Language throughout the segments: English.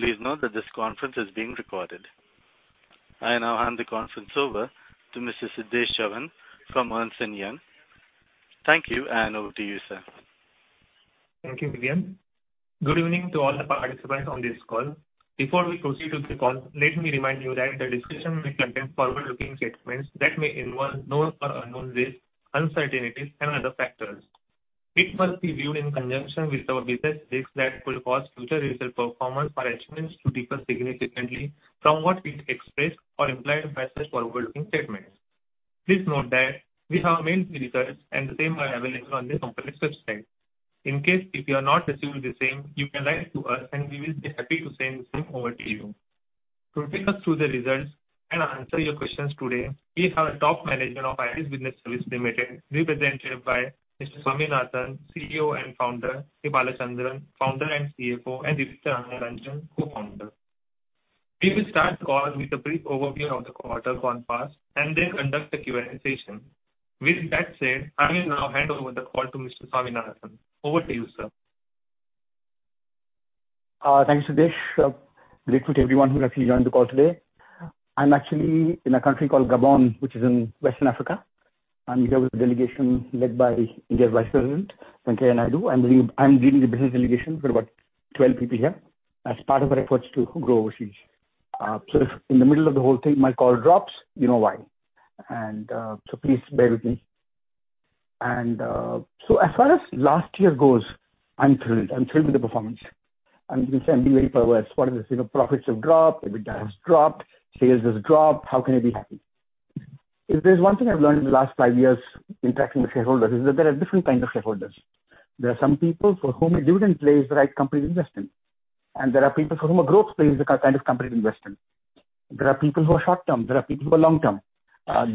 Please note that this conference is being recorded. I now hand the conference over to Mr. Siddhesh Chavan from Ernst & Young. Thank you, and over to you, sir. Thank you, William. Good evening to all the participants on this call. Before we proceed with the call, let me remind you that the discussion may contain forward-looking statements that may involve known or unknown risks, uncertainties, and other factors. They must be viewed in conjunction with our business risks that could cause future results to differ significantly from what we express or imply by such forward-looking statements. Please note that we have mailed the results, and the same are available on the company's website. In case if you have not received the same, you can write to us, and we will be happy to send the same over to you. To take us through the results and answer your questions today, we have our top management of IRIS Business Services Limited represented by Mr. Swaminathan, CEO and Founder, Balachandran, Founder and CFO, and Deepta Rangarajan, Co-Founder. We will start the call with a brief overview of the quarter gone past and then conduct the Q&A session. With that said, I will now hand over the call to Mr. Swaminathan. Over to you, sir. Thank you, Sidhesh. Grateful to everyone who has joined the call today. I'm actually in a country called Gabon, which is in West Africa. I'm here with a delegation led by India's Vice President, Venkaiah Naidu. I'm leading the business delegation. We're about 12 people here as part of our efforts to grow overseas. If in the middle of the whole thing my call drops, you know why. As far as. last year goes, I'm thrilled. I'm thrilled with the performance. You can say I'm being very perverse. What is this? You know, profits have dropped. EBITDA has dropped. Sales has dropped. How can you be happy? If there's one thing I've learned in the last five years interacting with shareholders, is that there are different kinds of shareholders. There are some people for whom a dividend plays the right company to invest in, and there are people for whom a growth plays the kind of company to invest in. There are people who are short-term. There are people who are long-term.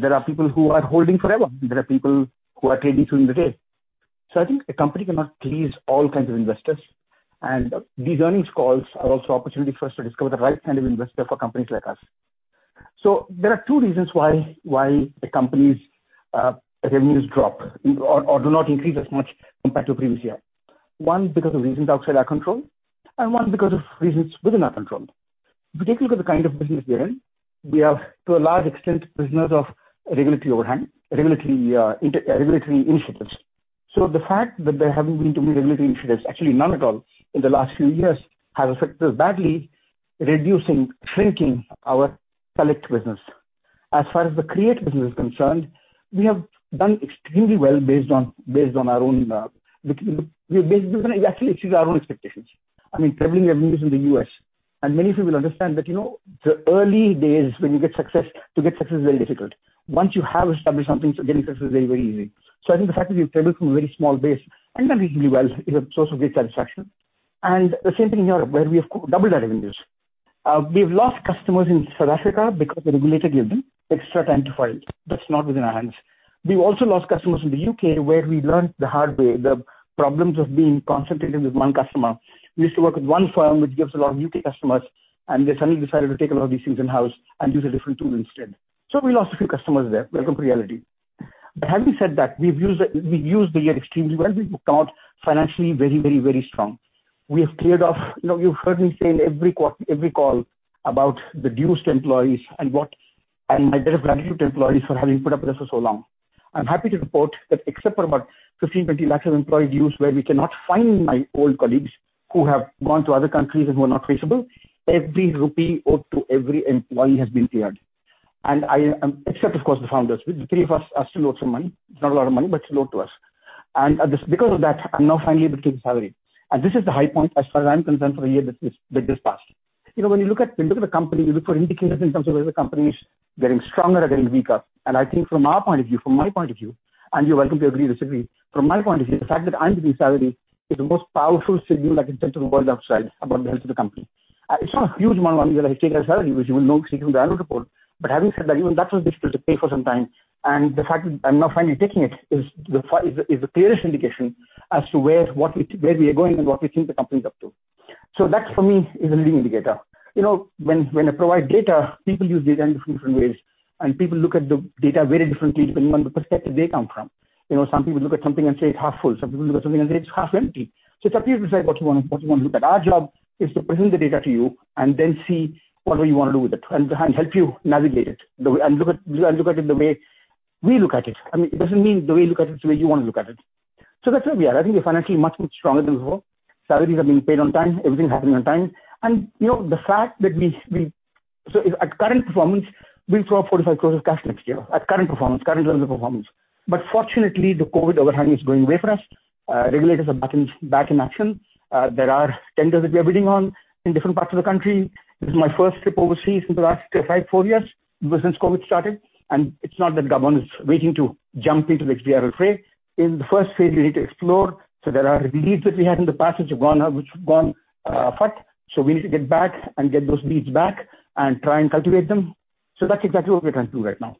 There are people who are holding forever. There are people who are trading through the day. I think a company cannot please all kinds of investors. These earnings calls are also opportunity for us to discover the right kind of investor for companies like us. There are two reasons why the company's revenues drop or do not increase as much compared to previous year. One, because of reasons outside our control, and one because of reasons within our control. If you take a look at the kind of business we are in, we are, to a large extent, prisoners of regulatory overhang, regulatory, inter-regulatory initiatives. The fact that there haven't been too many regulatory initiatives, actually none at all, in the last few years, has affected us badly, reducing, shrinking our collect business. As far as the create business is concerned, we have done extremely well based on our own. We basically actually exceeded our own expectations. I mean, trebling our business in the U.S. Many of you will understand that, you know, the early days when you get success, to get success is very difficult. Once you have established something, getting success is very, very easy. I think the fact that we've trebled from a very small base and done really, really well is a source of great satisfaction. The same thing in Europe, where we have quadrupled our revenues. We've lost customers in South Africa because the regulator gave them extra time to file. That's not within our hands. We've also lost customers in the U.K., where we learned the hard way the problems of being concentrated with one customer. We used to work with one firm which gives a lot of U.K. customers, and they suddenly decided to take a lot of these things in-house and use a different tool instead. We lost a few customers there. Welcome to reality. Having said that, we've used the year extremely well. We've come out financially very, very, very strong. We have cleared off You know, you've heard me say in every call about the dues to employees and my debt of gratitude to employees for having put up with us for so long. I'm happy to report that except for about 15-20 lakhs of employee dues where we cannot find my old colleagues who have gone to other countries and who are not traceable, every rupee owed to every employee has been cleared. I, except of course the founders. We, the three of us are still owed some money. It's not a lot of money, but it's owed to us. This, because of that, I'm now finally able to take a salary. This is the high point as far as I'm concerned for a year that just passed. You know, when you look at the company, you look for indicators in terms of whether the company is getting stronger or getting weaker. I think from our point of view, from my point of view, and you're welcome to agree to disagree, from my point of view, the fact that I'm taking salary is the most powerful signal I can send to the world outside about the health of the company. It's not a huge amount of money that I take as salary, which you will know if you read the annual report. Having said that, even that was difficult to pay for some time. The fact that I'm now finally taking it is the clearest indication as to where we are going and what we think the company is up to. That for me is a leading indicator. You know, when I provide data, people use data in different ways, and people look at the data very differently depending on the perspective they come from. You know, some people look at something and say it's half full. Some people look at something and say it's half empty. It's up to you to decide what you wanna look at. Our job is to present the data to you and then see what do you wanna do with it and help you navigate it the way and look at it the way we look at it. I mean, it doesn't mean the way you look at it is the way you wanna look at it. That's where we are. I think we're financially much stronger than before. Salaries are being paid on time. Everything is happening on time. You know, the fact that we at current performance, we'll draw 45 crores of cash next year. At current performance, current level of performance. Fortunately, the COVID overhang is going away for us. Regulators are back in action. There are tenders that we are bidding on in different parts of the country. This is my first trip overseas in the last five or four years ever since COVID started, and it's not that Gabon is waiting to jump into the XBRL fray. In the first phase we need to explore, there are leads which we had in the past which have gone cold. We need to get back and get those leads back and try and cultivate them. That's exactly what we are trying to do right now.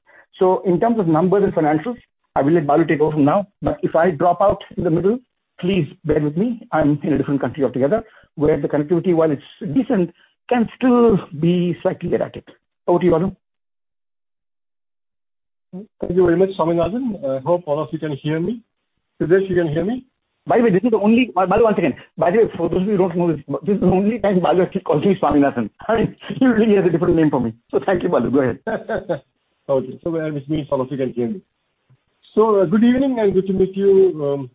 In terms of numbers and financials, I will let Balu take over from now. If I drop out in the middle, please bear with me. I'm in a different country altogether, where the connectivity, while it's decent, can still be slightly erratic. Over to you, Balu. Thank you very much, Swaminathan. I hope all of you can hear me. Siddhesh, you can hear me? By the way, for those of you who don't know this is the only time Balu actually calls me Swaminathan. I mean, usually he has a different name for me. Thank you, Balu. Go ahead. Okay. Where was I? All of you can hear me. Good evening, and good to meet you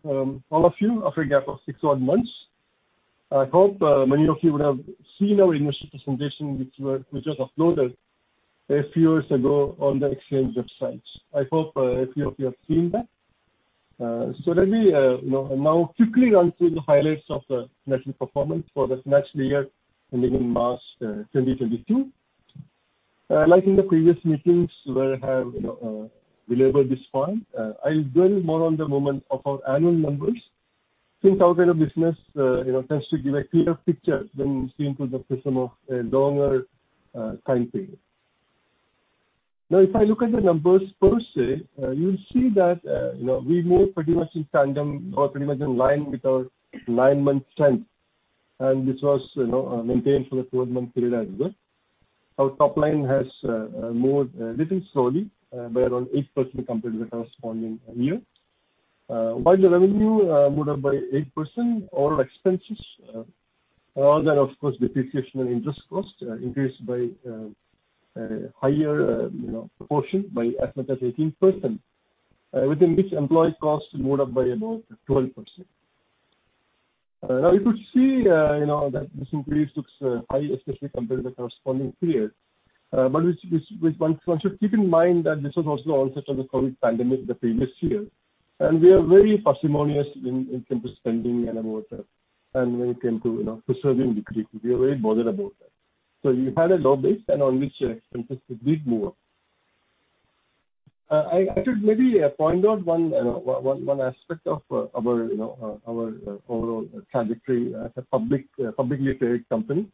all after a gap of six odd months. I hope many of you would have seen our investor presentation, which we just uploaded a few hours ago on the exchange websites. I hope a few of you have seen that. Let me you know now quickly run through the highlights of the financial performance for this last year ending in March 2022. Like in the previous meetings where I have you know labeled this file, I'll dwell more on the movement of our annual numbers since our line of business you know tends to give a clearer picture when seen through the prism of a longer time period. Now, if I look at the numbers per se, you'll see that, you know, we moved pretty much in tandem or pretty much in line with our nine-month trend, and this was, you know, maintained for the twelve-month period as well. Our top line has moved little slowly by around 8% compared to the corresponding year. While the revenue moved up by 8%, all expenses, other than of course depreciation and interest costs, increased by a higher, you know, proportion by as much as 18%, within which employee costs moved up by about 12%. Now you could see, you know, that this increase looks high especially compared to the corresponding period. One should keep in mind that this was also onset of the COVID pandemic the previous year, and we are very parsimonious in terms of spending and all that. When it came to, you know, preserving liquidity, we are very bothered about that. You had a low base and on which expenses did move. I should maybe point out one aspect of our, you know, our overall trajectory as a publicly traded company.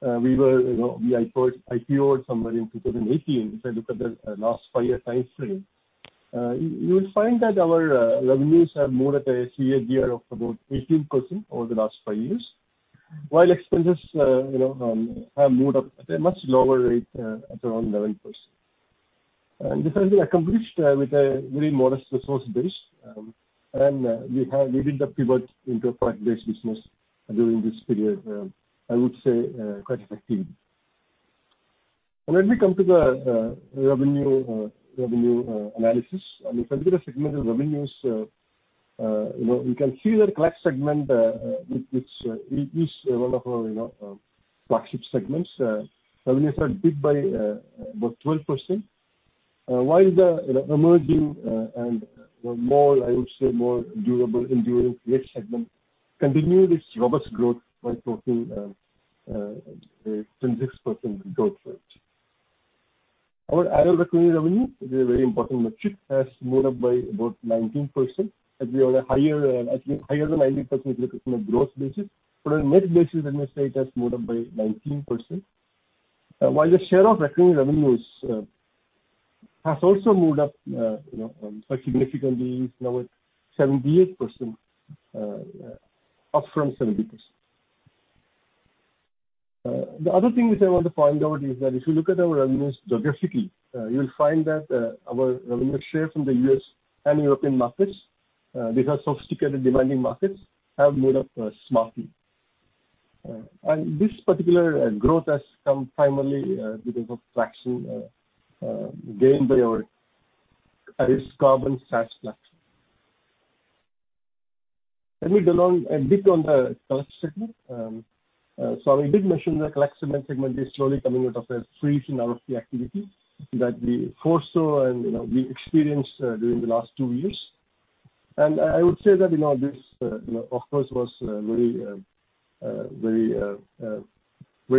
We were, you know, we IPO'd somewhere in 2018. If I look at the last five-year time frame, you'll find that our revenues have moved at a CAGR of about 18% over the last five years, while expenses, you know, have moved up at a much lower rate, at around 11%. This has been accomplished with a very modest resource base, and we did the pivot into a product-based business during this period, I would say, quite effectively. Let me come to the revenue analysis. On a particular segment of revenues, you know, you can see that Collect segment, which it is one of our, you know, flagship segments. Revenues grew by about 12%, while the, you know, emerging and more, I would say more durable, enduring Create segment continued its robust growth by posting a 26% growth rate. Our annual recurring revenue, which is a very important metric, has moved up by about 19% as we have a higher, actually higher than 19% if you look at from a gross basis. On a net basis, let me say it has moved up by 19%. The share of recurring revenues has also moved up, you know, quite significantly. It's now at 78%, up from 70%. The other thing which I want to point out is that if you look at our revenues geographically, you'll find that our revenue share from the U.S. and European markets, these are sophisticated demanding markets, have moved up smartly. This particular growth has come primarily because of traction gained by our IRIS CARBON SaaS platform. Let me dwell on a bit on the Collect segment. We did mention the Collect segment is slowly coming out of a freeze in RFP activity that we foresaw and, you know, we experienced during the last two years. I would say that, you know, this, you know, of course, was very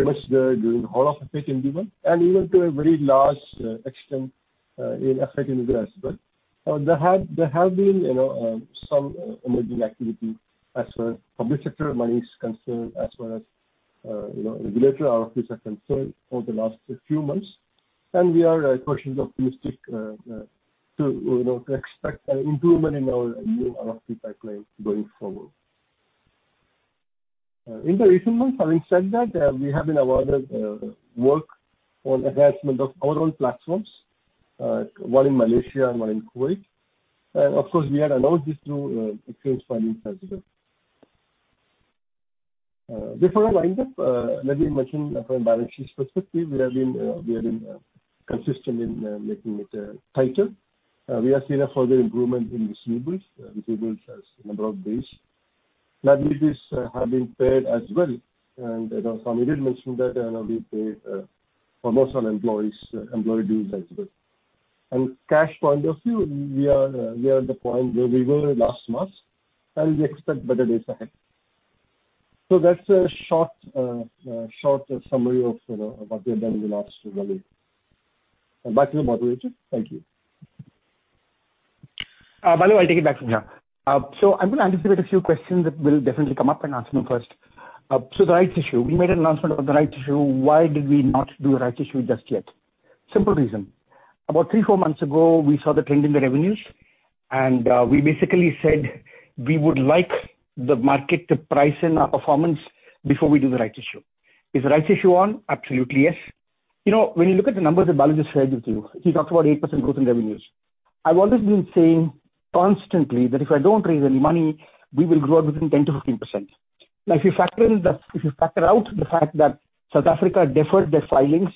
much there during the whole of 2018 and even to a very large extent in effect in the U.S. There have been, you know, some emerging activity as far as public sector money is concerned, as well as, you know, regulatory RFPs are concerned over the last few months. We are cautiously optimistic to, you know, to expect an improvement in our new RFP pipeline going forward. In the recent months, having said that, we have been awarded work on enhancement of our own platforms, one in Malaysia and one in Kuwait. Of course, we had announced this through exchange filings as well. Before I wind up, let me mention from a balance sheet perspective, we have been consistent in making it tighter. We have seen a further improvement in receivables. Receivables as a number of days. Liabilities have been paid as well. You know, Swami did mention that, you know, we paid promotion employees employee dues as well. From a cash point of view, we are at the point where we were last month, and we expect better days ahead. That's a short summary of, you know, what we have done in the last one year. Back to you, Madhuri. Thank you. Balu, I take it back from here. I'm gonna anticipate a few questions that will definitely come up and answer them first. The rights issue. We made an announcement on the rights issue. Why did we not do a rights issue just yet? Simple reason. About three, four months ago, we saw the trend in the revenues. We basically said we would like the market to price in our performance before we do the rights issue. Is the rights issue on? Absolutely, yes. You know, when you look at the numbers that Balu just shared with you, he talked about 8% growth in revenues. I've always been saying constantly that if I don't raise any money, we will grow between 10%-15%. Now, if you factor out the fact that South Africa deferred their filings.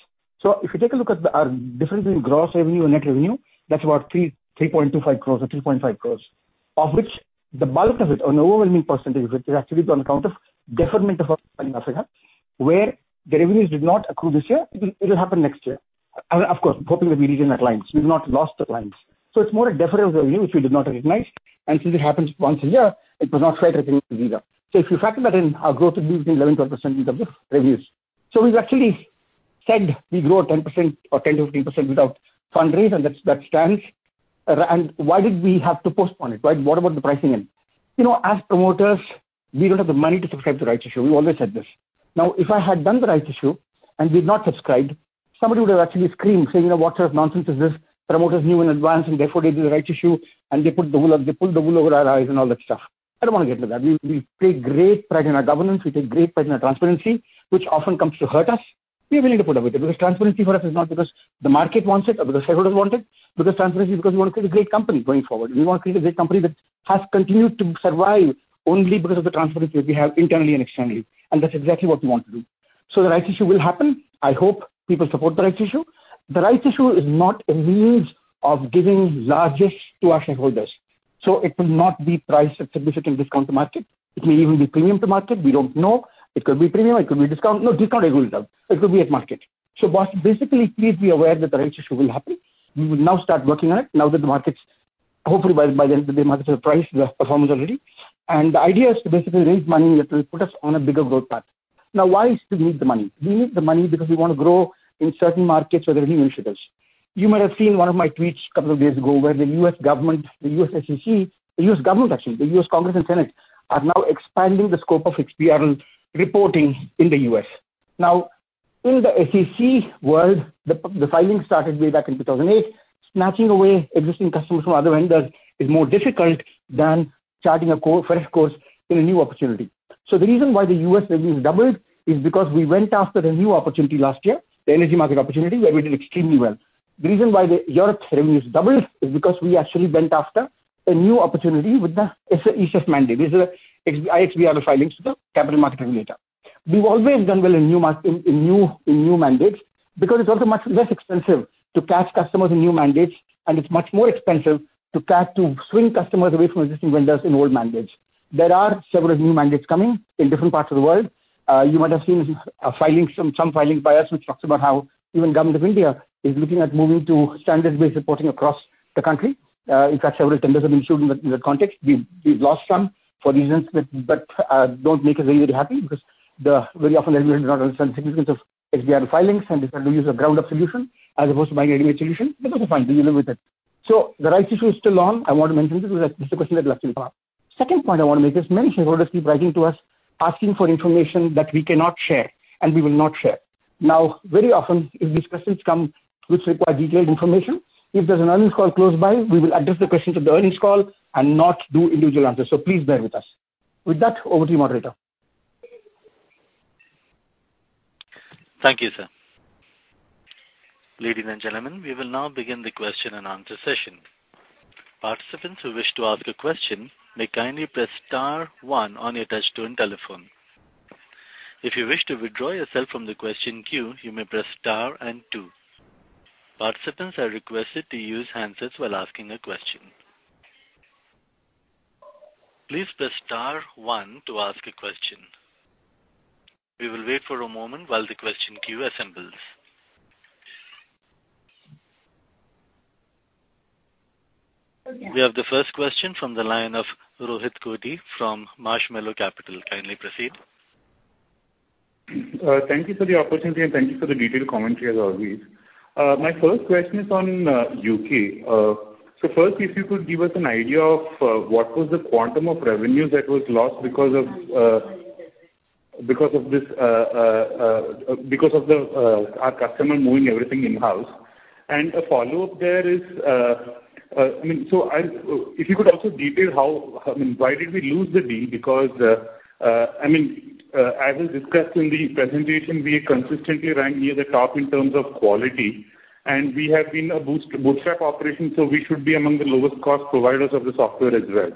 If you take a look at our difference in gross revenue and net revenue, that's about 3, 3.25 crores or 3.5 crores. Of which the bulk of it, an overwhelming percentage of it is actually on account of deferment of our filing in Africa, where the revenues did not accrue this year. It'll happen next year. Of course, hoping that we retain that clients. We've not lost the clients. It's more a deferral of revenue which we did not recognize. Since it happens once a year, it was not quite a thing either. If you factor that in, our growth would be between 11%-12% in terms of revenues. We've actually said we grow 10% or 10%-15% without fundraise, and that stands. Why did we have to postpone it, right? What about the pricing in? You know, as promoters, we don't have the money to subscribe the right issue. We've always said this. Now, if I had done the right issue and we've not subscribed, somebody would have actually screamed saying, "What sort of nonsense is this? Promoters knew in advance and therefore they did the right issue and they pulled the wool over our eyes," and all that stuff. I don't wanna get into that. We take great pride in our governance. We take great pride in our transparency, which often comes to hurt us. We are willing to put up with it because transparency for us is not because the market wants it or because shareholders want it, because transparency is because we want to create a great company going forward. We want to create a great company that has continued to survive only because of the transparency we have internally and externally. That's exactly what we want to do. The rights issue will happen. I hope people support the rights issue. The rights issue is not a means of giving largesse to our shareholders. It will not be priced at significant discount to market. It may even be premium to market, we don't know. It could be premium, it could be discount. No discount at all. It could be at market. Basically, please be aware that the rights issue will happen. We will now start working on it now that the market's hopefully by the end of the day, markets are priced, we have performance already. The idea is to basically raise money that will put us on a bigger growth path. Now, why do we need the money? We need the money because we wanna grow in certain markets with revenue initiatives. You might have seen one of my tweets a couple of days ago, where the U.S. government, the U.S. SEC, the U.S. government actually, the U.S. Congress and Senate, are now expanding the scope of XBRL reporting in the U.S. Now, in the SEC world, the filing started way back in 2008. Snatching away existing customers from other vendors is more difficult than charting a fresh course in a new opportunity. The reason why the U.S. revenue has doubled is because we went after a new opportunity last year, the energy market opportunity, where we did extremely well. The reason why Europe's revenues doubled is because we actually went after a new opportunity with the ESEF mandate. These are iXBRL filings to the capital market regulator. We've always done well in new mandates because it's also much less expensive to catch customers in new mandates, and it's much more expensive to catch, to swing customers away from existing vendors in old mandates. There are several new mandates coming in different parts of the world. You might have seen a filing, some filings by us, which talks about how even Government of India is looking at moving to standards-based reporting across the country. In fact, several tenders have been issued in that context. We've lost some for reasons that don't make us very happy because very often regulators do not understand the significance of XBRL filings and they tend to use a ground-up solution as opposed to buying a ready-made solution. That's fine. We live with it. The right issue is still on. I want to mention this because it's a question that will actually come up. Second point I wanna make is many shareholders keep writing to us asking for information that we cannot share, and we will not share. Now, very often, if these questions come which require detailed information, if there's an earnings call close by, we will address the questions at the earnings call and not do individual answers. Please bear with us. With that, over to you, moderator. Thank you, sir. Ladies and gentlemen, we will now begin the question and answer session. Participants who wish to ask a question may kindly press star one on your touchtone telephone. If you wish to withdraw yourself from the question queue, you may press star and two. Participants are requested to use handsets while asking a question. Please press star one to ask a question. We will wait for a moment while the question queue assembles. We have the first question from the line of Rohit Koti from Marshmallow Capital. Kindly proceed. Thank you for the opportunity, and thank you for the detailed commentary as always. My first question is on U.K. First, if you could give us an idea of what was the quantum of revenues that was lost because of our customer moving everything in-house. A follow-up there is, I mean, if you could also detail how, I mean, why did we lose the deal. Because, I mean, as is discussed in the presentation, we consistently rank near the top in terms of quality, and we have been a bootstrap operation, so we should be among the lowest cost providers of the software as well.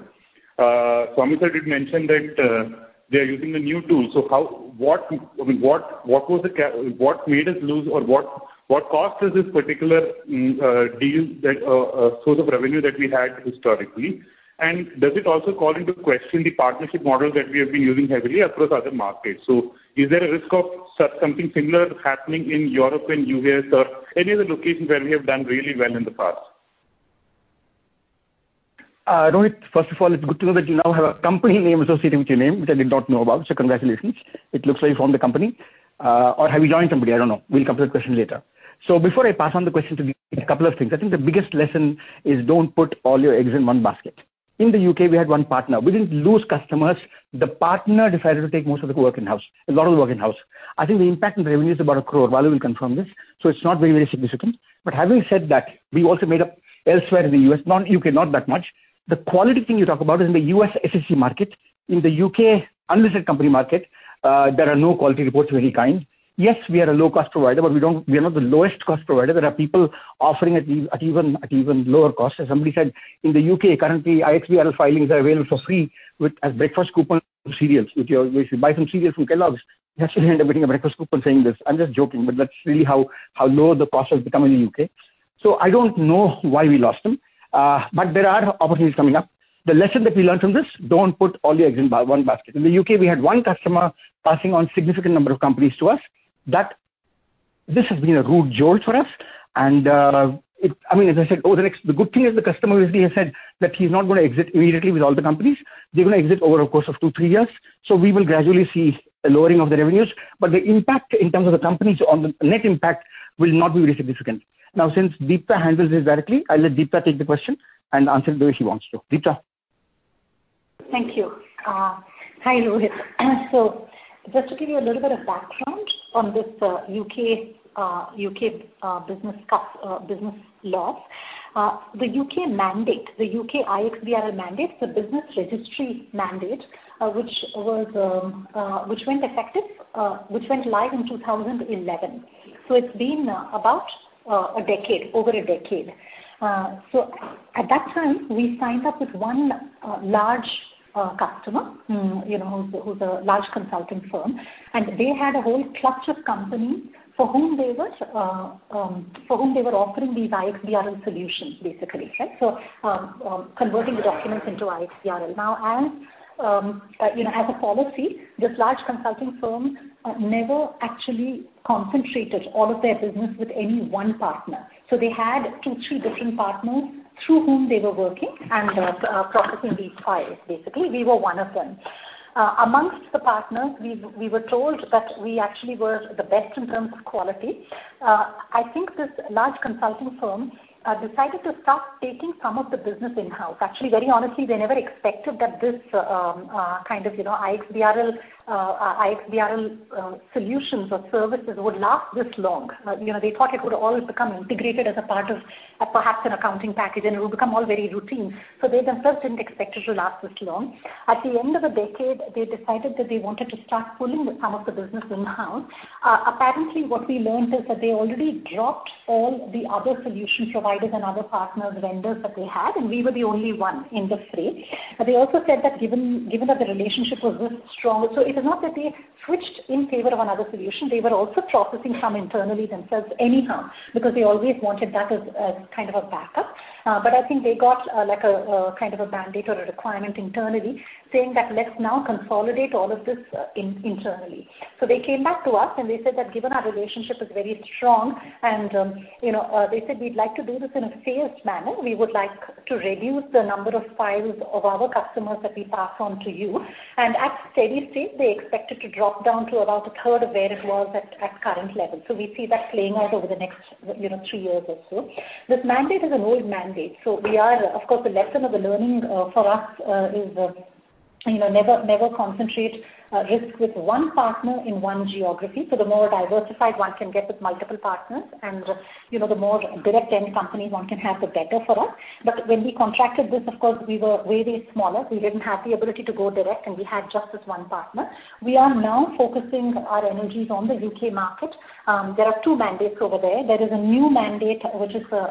Swaminathan did mention that they are using a new tool. How, what, I mean, what made us lose or what cost us this particular deal that source of revenue that we had historically? Does it also call into question the partnership model that we have been using heavily across other markets? Is there a risk of something similar happening in Europe and U.S. or any other locations where we have done really well in the past? Rohit, first of all, it's good to know that you now have a company name associated with your name, which I did not know about, so congratulations. It looks like you found the company. Or have you joined somebody? I don't know. We'll come to that question later. Before I pass on the question to you, a couple of things. I think the biggest lesson is don't put all your eggs in one basket. In the U.K., we had one partner. We didn't lose customers. The partner decided to take most of the work in-house, a lot of the work in-house. I think the impact on the revenue is about 1 crore. Val will confirm this. It's not very, very significant. Having said that, we also made up elsewhere in the U.S., not U.K., not that much. The quality thing you talk about is in the U.S. SEC market. In the U.K. unlisted company market, there are no quality reports of any kind. Yes, we are a low-cost provider, but we are not the lowest cost provider. There are people offering at even lower costs. As somebody said, in the U.K. currently, iXBRL filings are available for free with a breakfast coupon for cereals, which you always buy some cereals from Kellogg's. You actually end up getting a breakfast coupon saying this. I'm just joking, but that's really how low the cost has become in the U.K. I don't know why we lost them. But there are opportunities coming up. The lesson that we learned from this, don't put all your eggs in one basket. In the U.K., we had one customer passing on significant number of companies to us. This has been a rude jolt for us. I mean, as I said, over the next. The good thing is the customer obviously has said that he's not gonna exit immediately with all the companies. They're gonna exit over a course of two-three years. We will gradually see a lowering of the revenues. The impact in terms of the companies on the net impact will not be very significant. Now, since Deepta handles this directly, I'll let Deepta take the question and answer the way she wants to. Deepta. Thank you. Hi, Rohit. Just to give you a little bit of background on this U.K. business loss. The U.K. mandate, the UK iXBRL mandate, the business registry mandate, which went live in 2011. It's been about a decade, over a decade. At that time, we signed up with one large customer, you know, who's a large consulting firm, and they had a whole clutch of companies for whom they were offering these iXBRL solutions, basically. Right? You know, as a policy, this large consulting firm never actually concentrated all of their business with any one partner. They had two, three different partners through whom they were working and processing these files, basically. We were one of them. Amongst the partners, we were told that we actually were the best in terms of quality. I think this large consulting firm decided to start taking some of the business in-house. Actually, very honestly, they never expected that this kind of, you know, iXBRL solutions or services would last this long. You know, they thought it would all become integrated as a part of perhaps an accounting package and it would become all very routine. They themselves didn't expect it to last this long. At the end of the decade, they decided that they wanted to start pulling some of the business in-house. Apparently what we learned is that they already dropped all the other solution providers and other partners, vendors that they had, and we were the only one in the fray. They also said that given that the relationship was this strong, so it is not that they switched in favor of another solution. They were also processing some internally themselves anyhow, because they always wanted that as kind of a backup. But I think they got like a kind of a mandate or a requirement internally saying that let's now consolidate all of this internally. They came back to us and they said that given our relationship is very strong and, you know, they said we'd like to do this in a phased manner. We would like to reduce the number of files of our customers that we pass on to you. At steady state they expect it to drop down to about a third of where it was at current levels. We see that playing out over the next, you know, three years or so. This mandate is an old mandate. We are, of course, the lesson learned for us is, you know, never concentrate risk with one partner in one geography. The more diversified one can get with multiple partners and, you know, the more direct any company one can have, the better for us. When we contracted this of course we were way smaller. We didn't have the ability to go direct and we had just this one partner. We are now focusing our energies on the UK market. There are two mandates over there. There is a new mandate which is the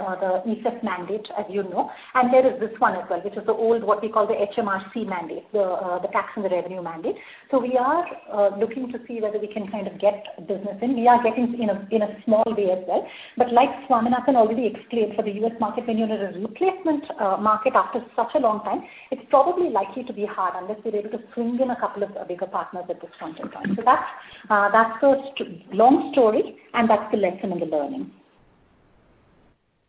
ESEF mandate as you know. There is this one as well, which is the old what we call the HMRC mandate, the tax and the revenue mandate. We are looking to see whether we can kind of get business in. We are getting in a small way as well. Like Swaminathan already explained, for the U.S. market when you're in a replacement market after such a long time, it's probably likely to be hard unless we're able to bring in a couple of bigger partners at this point in time. That's the long story and that's the lesson in the learning.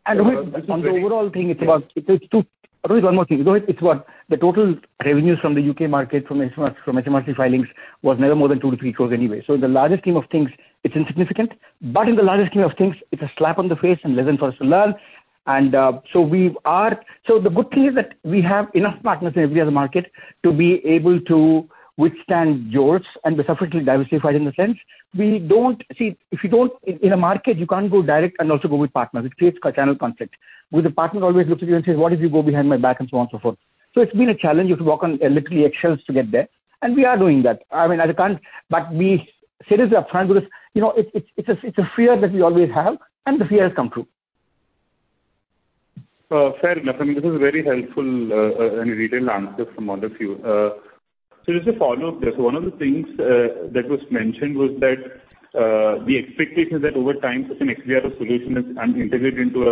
Rohit, on the overall thing it's about, it's two. Rohit, one more thing. Rohit, it's what the total revenues from the UK market from HMRC filings was never more than 2-3 crore anyway. In the larger scheme of things it's insignificant, but in the larger scheme of things it's a slap on the face and lesson for us to learn. The good thing is that we have enough partners in every other market to be able to withstand jolts and we're sufficiently diversified in a sense. In a market you can't go direct and also go with partners. It creates channel conflict. With a partner always looks at you and says, "What if you go behind my back?" And so on and so forth. It's been a challenge. You have to walk on literally eggshells to get there. We are doing that. I mean, we seriously are trying to, you know, it's a fear that we always have and the fear has come true. Fair enough. I mean, this is very helpful and detailed answer from all of you. Just a follow-up there. One of the things that was mentioned was that the expectation that over time such an iXBRL solution is integrated into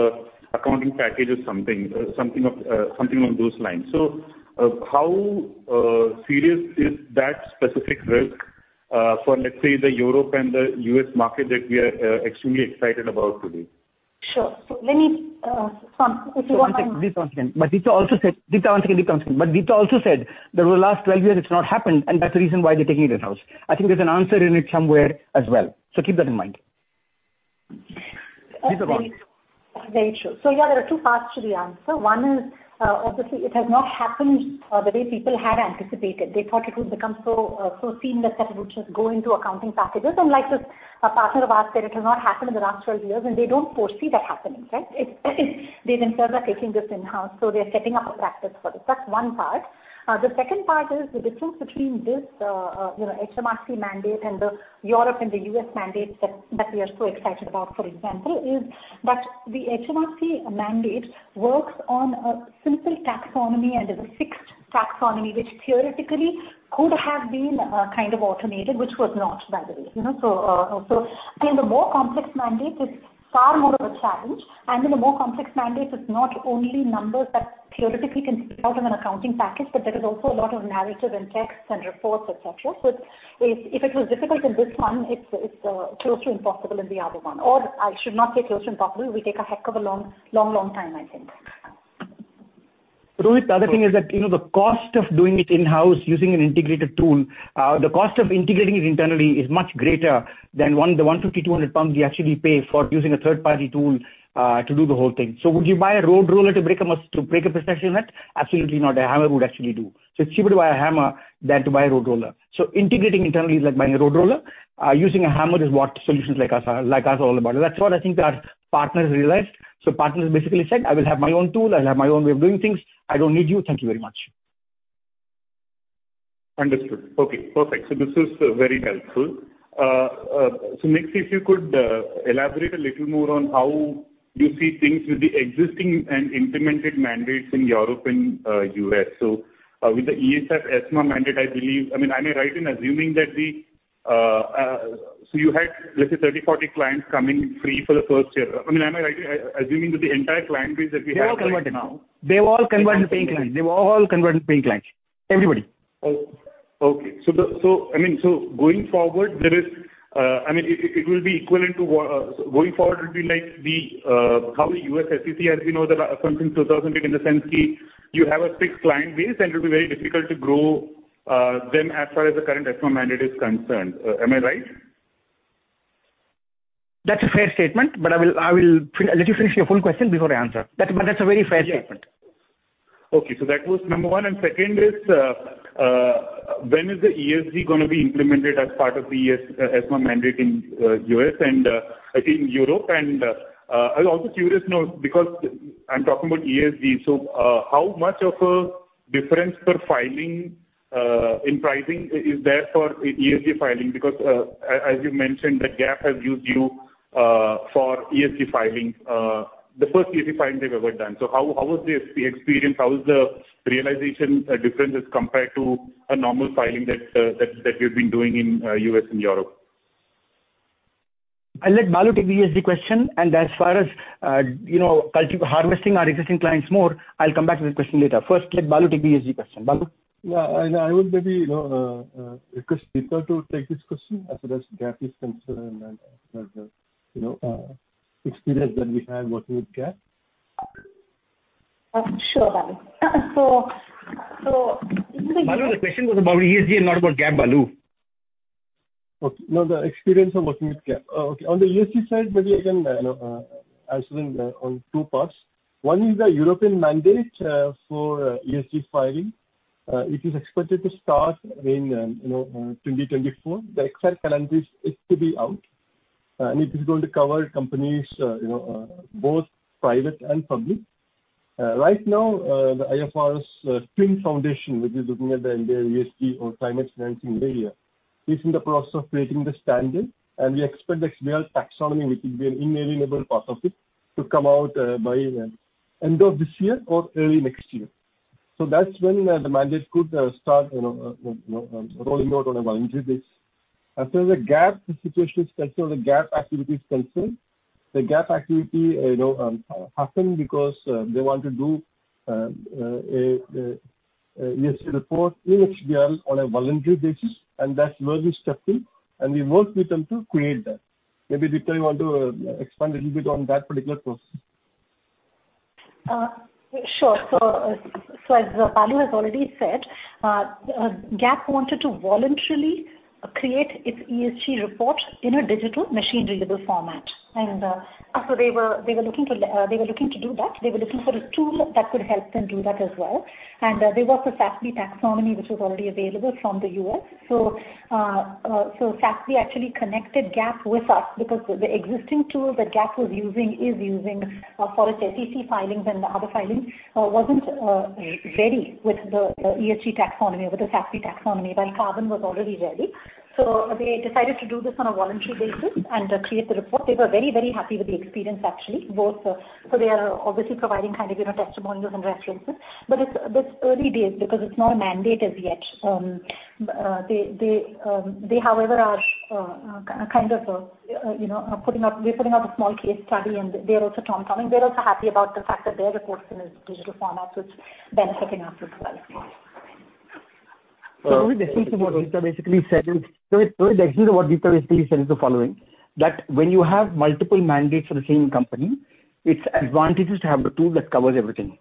accounting package or something along those lines. How serious is that specific risk for let's say Europe and the US market that we are extremely excited about today? Sure. Let me, One sec. Please one second. Deepta one second. Deepta also said that over the last 12 years it's not happened and that's the reason why they're taking it in-house. I think there's an answer in it somewhere as well. Keep that in mind. Very true. Yeah, there are two parts to the answer. One is, obviously it has not happened the way people had anticipated. They thought it would become so seamless that it would just go into accounting packages. Like this partner of ours said, it has not happened in the last 12 years, and they don't foresee that happening, right? They themselves are taking this in-house, so they're setting up a practice for this. That's one part. The second part is the difference between this, you know, HMRC mandate and the European and the US mandate that we are so excited about, for example, is that the HMRC mandate works on a simple taxonomy and is a fixed taxonomy which theoretically could have been kind of automated, which was not, by the way, you know. Again, the more complex mandate is far more of a challenge. In a more complex mandate, it's not only numbers that theoretically can be out of an accounting package, but there is also a lot of narrative and texts and reports, et cetera. It's if it was difficult in this one, it's close to impossible in the other one. I should not say close to impossible. We take a heck of a long time, I think. Rohit, the other thing is that, you know, the cost of doing it in-house using an integrated tool, the cost of integrating it internally is much greater than the 150-200 pounds you actually pay for using a third-party tool, to do the whole thing. Would you buy a road roller to break a pistachio nut? Absolutely not. A hammer would actually do. It's cheaper to buy a hammer than to buy a road roller. Integrating internally is like buying a road roller. Using a hammer is what solutions like us are all about. That's what I think our partners realized. Partners basically said, "I will have my own tool. I'll have my own way of doing things. I don't need you. Thank you very much. Understood. Okay, perfect. This is very helpful. Next, if you could elaborate a little more on how you see things with the existing and implemented mandates in Europe and U.S. With the ESEF ESMA mandate, I believe. I mean, am I right in assuming that the You had, let's say, 30, 40 clients coming free for the first year. I mean, am I right assuming that the entire client base that we have right now- They've all converted now. They've all converted to paying clients. Everybody. Oh, okay. I mean, going forward, it will be equivalent to what, going forward, it will be like how the U.S. SEC has, you know, the something 2000 in the sense ki you have a fixed client base, and it will be very difficult to grow them as far as the current ESEF mandate is concerned. Am I right? That's a fair statement, but I will let you finish your full question before I answer. That's a very fair statement. Yes. Okay. That was number one. Second is, when is the ESG gonna be implemented as part of the ESMA mandate in the U.S. and, I think, Europe? I was also curious to know because I'm talking about ESG, so how much of a difference per filing in pricing is there for ESG filing? Because as you've mentioned, that GAAP has used you for ESG filing, the first ESG filing they've ever done. How was the experience? How was the realization differences compared to a normal filing that you've been doing in the U.S. and Europe? I'll let Balu take the ESG question. As far as, you know, harvesting our existing clients more, I'll come back to the question later. First, let Balu take the ESG question. Balu? I will maybe, you know, request Deepta to take this question as far as GAAP is concerned and, you know, experience that we have working with GAAP. Sure, Balu. Balu, the question was about ESG and not about GAAP, Balu. Okay. No, the experience of working with GAAP. Oh, okay. On the ESG side, maybe I can, you know, answer them on two parts. One is the European mandate for ESG filing. It is expected to start in, you know, 2024. The exact calendar is yet to be out. It is going to cover companies, you know, both private and public. Right now, the IFRS Foundation, which is looking at the entire ESG or climate financing area, is in the process of creating the standard. We expect the XBRL taxonomy, which will be an integral part of it, to come out by end of this year or early next year. That's when the mandate could start, you know, rolling out on a voluntary basis. As far as the GAAP situation is concerned, the GAAP activity is concerned. The GAAP activity, you know, happened because they want to do a ESG report in XBRL on a voluntary basis, and that's where we stepped in, and we worked with them to create that. Maybe, Deepta, you want to expand a little bit on that particular process. Sure. As Balu has already said, GAAP wanted to voluntarily create its ESG report in a digital machine-readable format. They were looking to do that. They were looking for a tool that could help them do that as well. There was a SASB taxonomy which was already available from the U.S. SASB actually connected GAAP with us because the existing tool that GAAP was using for its SEC filings and the other filings wasn't ready with the ESG taxonomy or the SASB taxonomy, while Carbon was already ready. They decided to do this on a voluntary basis and create the report. They were very, very happy with the experience, actually, both, so they are obviously providing kind of, you know, testimonials and references. It's still early days because it's not mandated yet. They, however, are kind of, you know, putting out a small case study. They're also happy about the fact that their reports in a digital format, so it's benefiting us as well. The essence of what Deepta basically said is the following, that when you have multiple mandates for the same company, it's advantageous to have a tool that covers everything.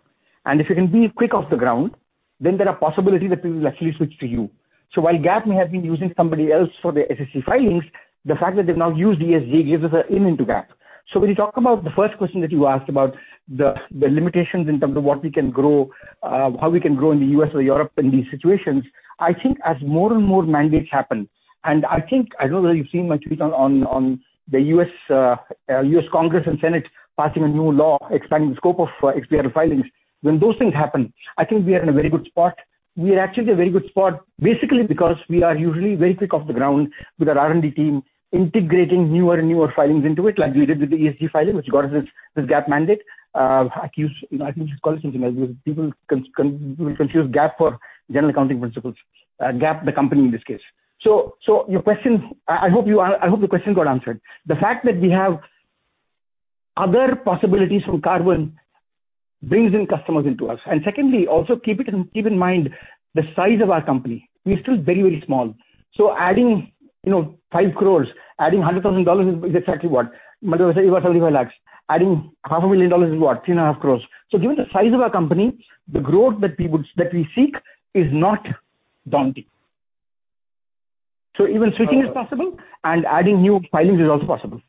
If you can be quick off the ground, then there are possibilities that people will actually switch to you. While GAAP may have been using somebody else for their SEC filings, the fact that they've now used ESG gives us an in into GAAP. When you talk about the first question that you asked about the limitations in terms of what we can grow, how we can grow in the U.S. or Europe in these situations, I think as more and more mandates happen, and I think. I don't know if you've seen my tweet on the U.S. Congress and Senate passing a new law expanding the scope of XBRL filings. When those things happen, I think we are in a very good spot. We are actually in a very good spot, basically because we are usually very quick off the ground with our R&D team, integrating newer and newer filings into it, like we did with the ESG filing, which got us this GAAP mandate. I think you should call it something else. People confuse GAAP for general accounting principles. GAAP, the company in this case. Your question, I hope the question got answered. The fact that we have other possibilities from Carbon brings in customers into us. Secondly, also keep in mind the size of our company. We're still very, very small. Adding, you know, 5 crores, adding $100,000 is exactly what? You were saying 75 lakhs. Adding half a million dollars is what? Three and a half crores. Given the size of our company, the growth that we seek is not daunting. Even switching is possible and adding new filings is also possible.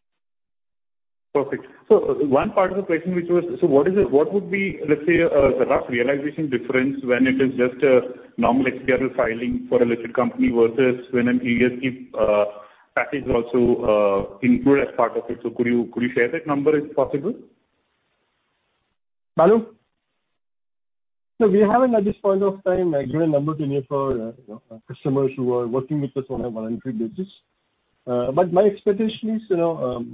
Perfect. One part of the question which was what is it? What would be, let's say, the rough realization difference when it is just a normal XBRL filing for a listed company versus when an ESG package is also included as part of it. Could you share that number if possible? Balu? No, we haven't at this point of time, like, given a number to any of our customers who are working with us on a voluntary basis. My expectation is, you know,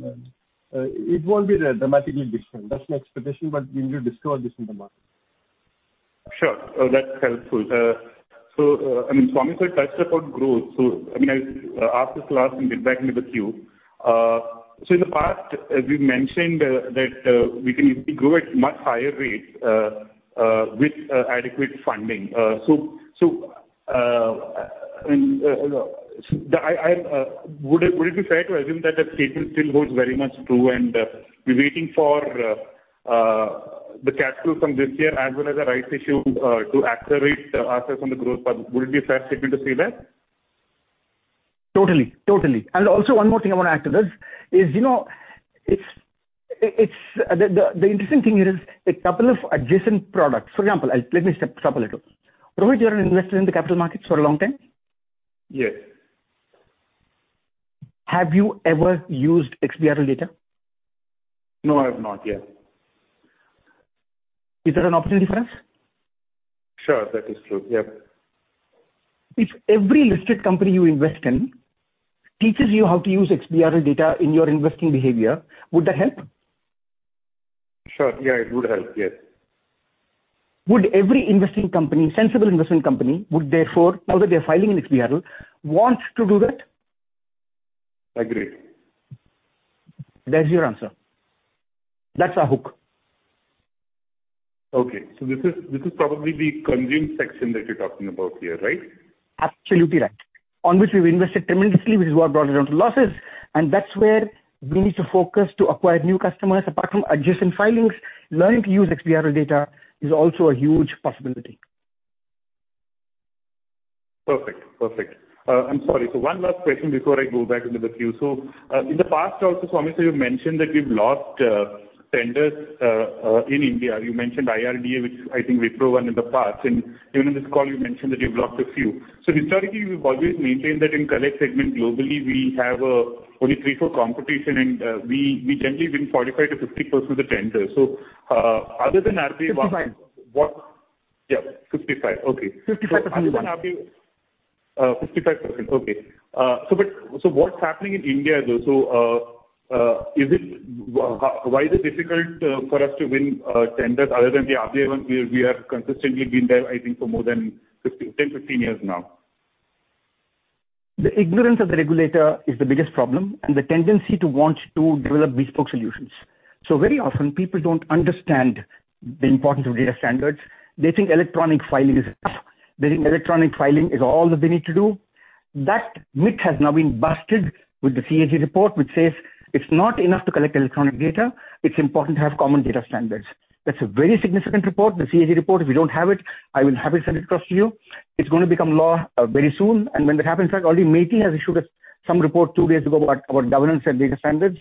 it won't be dramatically different. That's my expectation. We need to discover this in the market. Sure. That's helpful. I mean, Swami touched upon growth. I mean, I ask this last and get back into the queue. In the past, we've mentioned that we can grow at much higher rates with adequate funding. Would it be fair to assume that the statement still holds very much true, and we're waiting for the cash flow from this year as well as the rights issue to accelerate our focus on the growth path. Would it be a fair statement to say that? Totally. Also one more thing I wanna add to this is, it's the interesting thing here is a couple of adjacent products. For example, let me step a little. Rohit, you're an investor in the capital markets for a long time? Yes. Have you ever used XBRL data? No, I have not yet. Is there an opportunity for us? Sure. That is true. Yeah. If every listed company you invest in teaches you how to use XBRL data in your investing behavior, would that help? Sure. Yeah, it would help. Yes. Would every investing company, sensible investment company, would therefore now that they're filing in XBRL, want to do that? I agree. There's your answer. That's our hook. Okay. This is probably the consumer section that you're talking about here, right? Absolutely right. On which we've invested tremendously, which is what brought it down to losses. That's where we need to focus to acquire new customers. Apart from adjacent filings, learning to use XBRL data is also a huge possibility. Perfect. Perfect. I'm sorry. One last question before I go back into the queue. In the past also, Swami, you've mentioned that you've lost tenders in India. You mentioned IRDA, which I think Wipro won in the past. Even in this call, you mentioned that you've lost a few. Historically, we've always maintained that in Collect segment globally we have only three, four competition and we generally win 45%-50% of the tenders. Other than RBI, 55. What? Yeah. Fifty-five. Okay. 55.1%. 55%. Okay. But what's happening in India though? Is it? Why is it difficult for us to win tenders other than the RBI one? We are consistently been there, I think, for more than 10, 15 years now. The ignorance of the regulator is the biggest problem, and the tendency to want to develop bespoke solutions. Very often people don't understand the importance of data standards. They think electronic filing is enough. They think electronic filing is all that they need to do. That myth has now been busted with the CAG report, which says it's not enough to collect electronic data, it's important to have common data standards. That's a very significant report. The CAG report, if you don't have it, I will have it sent across to you. It's gonna become law, very soon. When that happens, in fact, already MEITY has issued us some report two days ago about governance and data standards.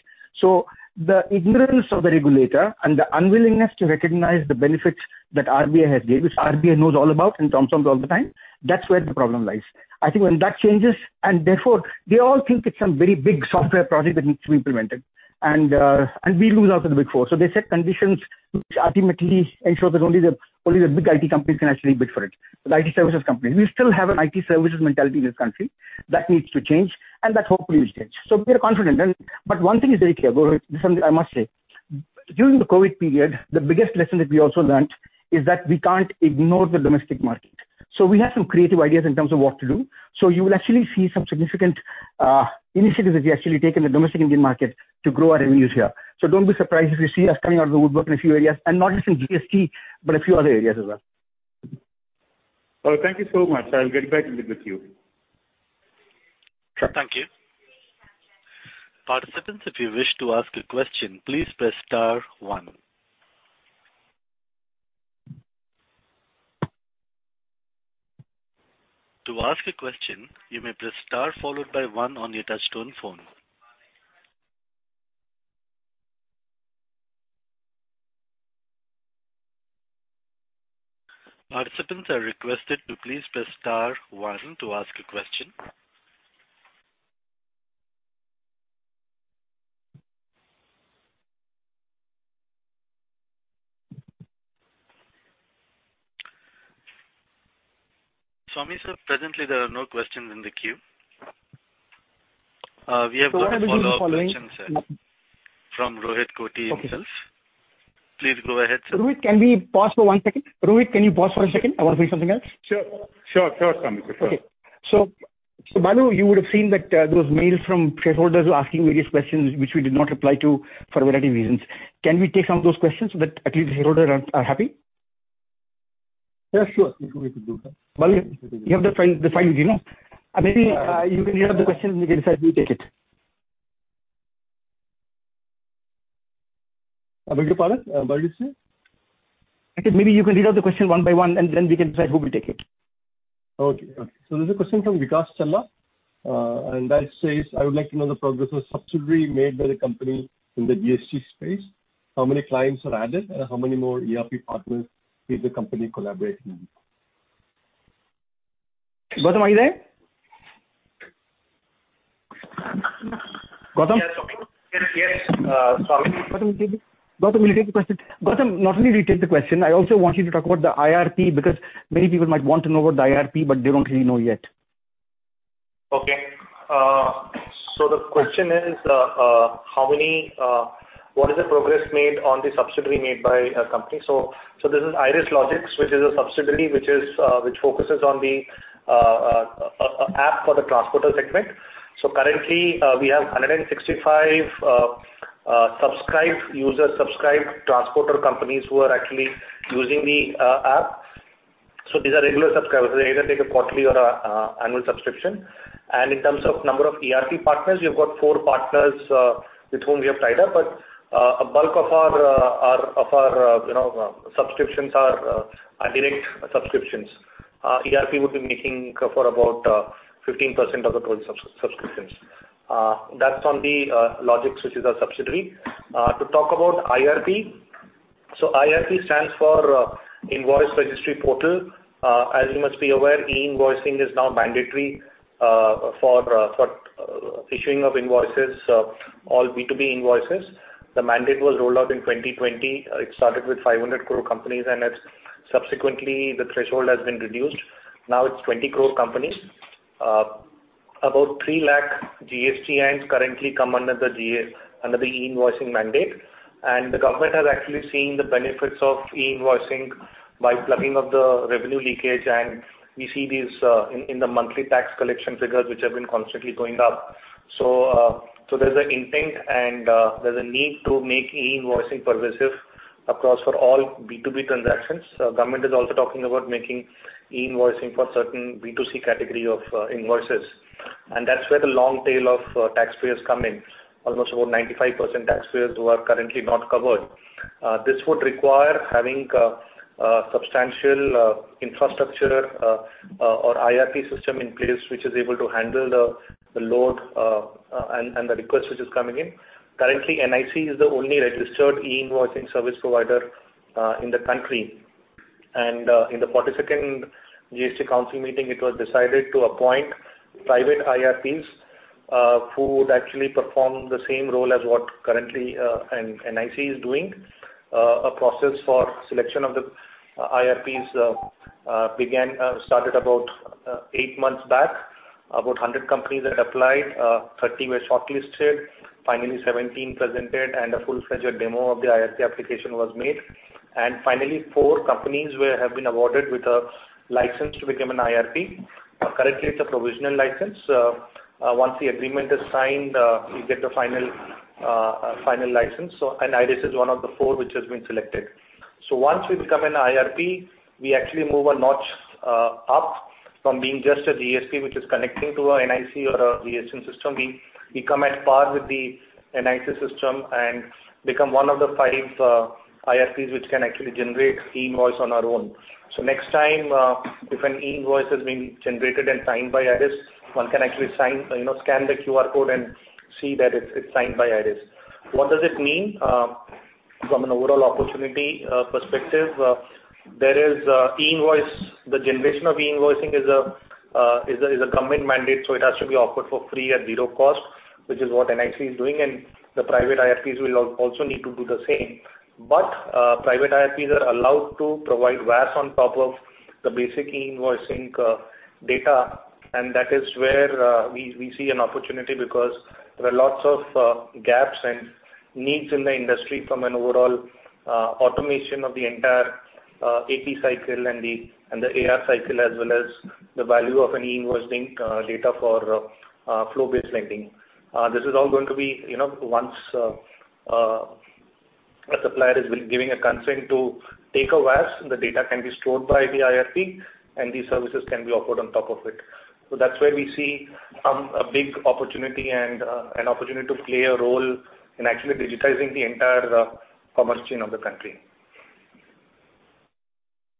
The ignorance of the regulator and the unwillingness to recognize the benefits that RBI has gave us, RBI knows all about and talks about all the time. That's where the problem lies. I think when that changes, and therefore they all think it's some very big software project that needs to be implemented and we lose out in the big four. They set conditions which ultimately ensure that only the big IT companies can actually bid for it. The IT services companies. We still have an IT services mentality in this country. That needs to change, and that hopefully will change. We are confident then. One thing is very clear, Rohit, this is something I must say. During the COVID period, the biggest lesson that we also learnt is that we can't ignore the domestic market. We have some creative ideas in terms of what to do. You will actually see some significant initiatives that we actually take in the domestic Indian market to grow our revenues here. Don't be surprised if you see us coming out of the woodwork in a few areas, and not just in GST, but a few other areas as well. Thank you so much. I'll get back into the queue. Thank you. Participants, if you wish to ask a question, please press star one. To ask a question, you may press star followed by one on your touchtone phone. Participants are requested to please press star one to ask a question. Swami, sir, presently there are no questions in the queue. We have got a follow-up question, sir, from Rohit Koti himself. Okay. Please go ahead, sir. Rohit, can we pause for one second? Rohit, can you pause for a second? I want to say something else. Sure. Sure, Swami. Sure. Balu, you would have seen that those mails from shareholders asking various questions which we did not reply to for a variety of reasons. Can we take some of those questions so that at least the shareholders are happy? Yeah, sure. We can do that. Balu, you have the findings, you know? Maybe, you can read out the questions and we can decide who will take it. Thank you, Pal. Balu sir. Okay. Maybe you can read out the question one by one, and then we can decide who will take it. There's a question from Vineet Khandelwal, and that says, "I would like to know the progress of subsidiary made by the company in the GST space. How many clients are added, and how many more ERP partners is the company collaborating with? Gautam, are you there? Gautam? Yes. Yes, Swami. Gautam, will you take the question? Gautam, not only will you take the question, I also want you to talk about the IRP because many people might want to know about the IRP, but they don't really know yet. Okay. The question is, how many, what is the progress made on the subsidiary made by a company? This is Iris Logix, which is a subsidiary which focuses on an app for the transporter segment. Currently, we have 165 subscribed users, subscribed transporter companies who are actually using the app. These are regular subscribers. They either take a quarterly or an annual subscription. In terms of number of ERP partners, we've got four partners with whom we have tied up. A bulk of our, you know, subscriptions are direct subscriptions. ERP would be making up for about 15% of the total subscriptions. That's on the Iris Logix, which is our subsidiary. To talk about IRP. IRP stands for Invoice Registration Portal. As you must be aware, e-invoicing is now mandatory for issuing of invoices, all B2B invoices. The mandate was rolled out in 2020. It started with 500 crore companies, and it's subsequently the threshold has been reduced. Now it's 20 crore companies. About 3 lakh GSTINs currently come under the e-invoicing mandate. The government has actually seen the benefits of e-invoicing by plugging up the revenue leakage. We see these in the monthly tax collection figures, which have been constantly going up. There's an intent and there's a need to make e-invoicing pervasive across for all B2B transactions. Government is also talking about making e-invoicing for certain B2C category of invoices. That's where the long tail of taxpayers come in. Almost 95% taxpayers who are currently not covered. This would require having substantial infrastructure or IRP system in place which is able to handle the load and the request which is coming in. Currently, NIC is the only registered e-invoicing service provider in the country. In the 42nd GST council meeting, it was decided to appoint private IRPs who would actually perform the same role as what currently NIC is doing. A process for selection of the IRPs started about eight months back. About 100 companies had applied, 30 were shortlisted, finally 17 presented, and a full-fledged demo of the IRP application was made. Finally, four companies have been awarded with a license to become an IRP. Currently it's a provisional license. Once the agreement is signed, you get the final license. IRIS is one of the four which has been selected. Once we become an IRP, we actually move a notch up from being just a DSP which is connecting to a NIC or a GSTN system. We come at par with the NIC system and become one of the five IRPs which can actually generate e-invoice on our own. Next time, if an e-invoice has been generated and signed by IRIS, one can actually sign, you know, scan the QR code and see that it's signed by IRIS. What does it mean from an overall opportunity perspective? There is e-invoice. The generation of e-invoicing is a government mandate, so it has to be offered for free at zero cost, which is what NIC is doing, and the private IRPs will also need to do the same. Private IRPs are allowed to provide VAS on top of the basic e-invoicing data. That is where we see an opportunity because there are lots of gaps and needs in the industry from an overall automation of the entire AP cycle and the AR cycle, as well as the value of an e-invoicing data for flow-based lending. This is all going to be, you know, once a supplier is giving a consent to take a VAS and the data can be stored by the IRP, and these services can be offered on top of it. That's where we see some, a big opportunity and an opportunity to play a role in actually digitizing the entire commerce chain of the country.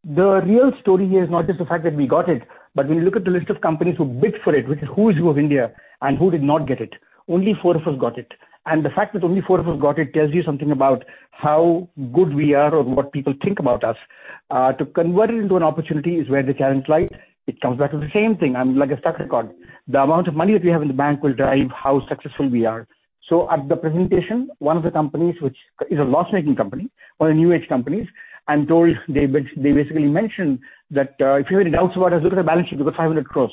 The real story here is not just the fact that we got it, but when you look at the list of companies who bid for it, which is who's who of India and who did not get it, only four of us got it. The fact that only four of us got it tells you something about how good we are or what people think about us. To convert it into an opportunity is where the challenge lies. It comes back to the same thing. I'm like a stuck record. The amount of money that we have in the bank will drive how successful we are. At the presentation, one of the companies, which is a loss-making company, one of the new age companies, they basically mentioned that if you have any doubts about us, look at the balance sheet, we've got 500 crore.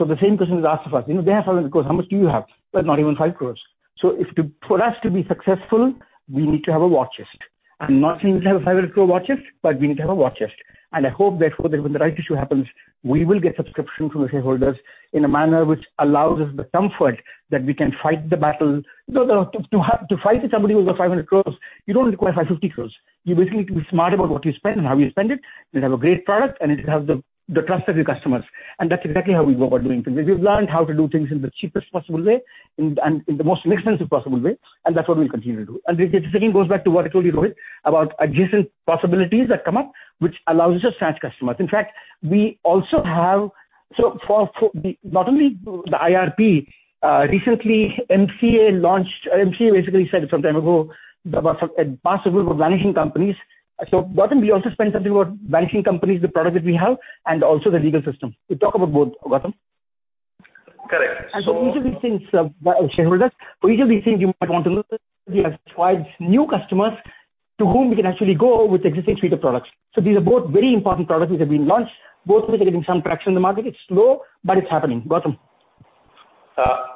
The same question was asked of us. You know, they have 500 crore. How much do you have? We have not even 5 crore. For us to be successful, we need to have a war chest. I'm not saying we have a 500 crore war chest, but we need to have a war chest. I hope, therefore, that when the rights issue happens, we will get subscription from the shareholders in a manner which allows us the comfort that we can fight the battle. You know, to have to fight with somebody who's got 500 crores, you don't require 500 crores. You basically need to be smart about what you spend and how you spend it. You have a great product, and it has the trust of your customers. That's exactly how we go about doing things. We've learned how to do things in the cheapest possible way and in the most inexpensive possible way, and that's what we'll continue to do. This again goes back to what I told you, Rohit, about adjacent possibilities that come up, which allows us to snatch customers. In fact, not only the IRP, recently MCA launched. MCA basically said some time ago about some possible vanishing companies. Gautam, we also spent something about vanishing companies, the product that we have, and also the legal system. You talk about both, Gautam. Correct. Each of these things, shareholders, for each of these things, you might want to look at, we have acquired new customers to whom we can actually go with existing suite of products. These are both very important products which have been launched. Both of which are getting some traction in the market. It's slow, but it's happening. Gautam.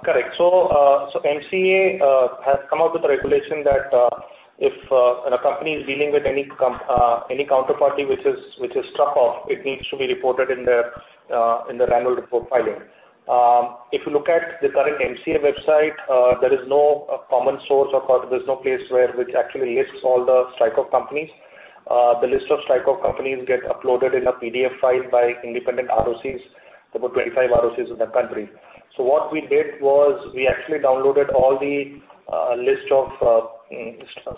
Correct. MCA has come out with a regulation that if a company is dealing with any counterparty which is struck off, it needs to be reported in their annual report filing. If you look at the current MCA website, there is no common source or there's no place which actually lists all the strike-off companies. The list of strike-off companies get uploaded in a PDF file by independent RoCs. There were 25 RoCs in the country. What we did was we actually downloaded all the list of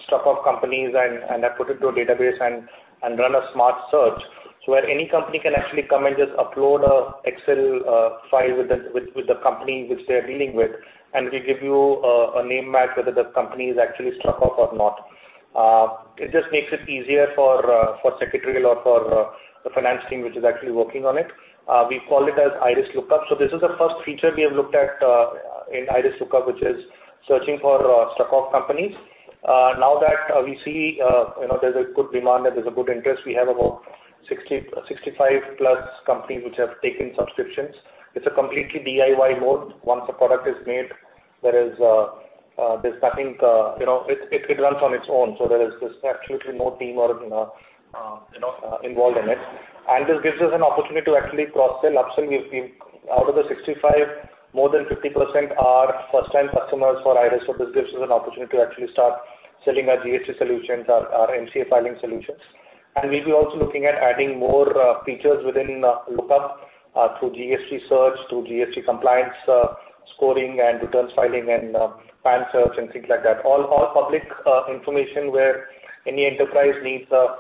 struck off companies and have put it to a database and run a smart search. Where any company can actually come and just upload an Excel file with the company which they are dealing with, and we give you a name match whether the company is actually struck off or not. It just makes it easier for secretarial or the finance team, which is actually working on it. We call it as IRIS LookUp. This is the first feature we have looked at in IRIS LookUp, which is searching for struck off companies. Now that we see, you know, there's a good demand and there's a good interest, we have about 65+ companies which have taken subscriptions. It's a completely DIY mode. Once a product is made, there's nothing, you know, it runs on its own. There is just absolutely no team or, you know, involved in it. This gives us an opportunity to actually cross-sell, upsell. Out of the 65, more than 50% are first-time customers for IRIS. This gives us an opportunity to actually start selling our GST solutions, our MCA filing solutions. We'll be also looking at adding more features within Lookup through GST search, through GST compliance scoring and returns filing and PAN search and things like that. All public information where any enterprise needs a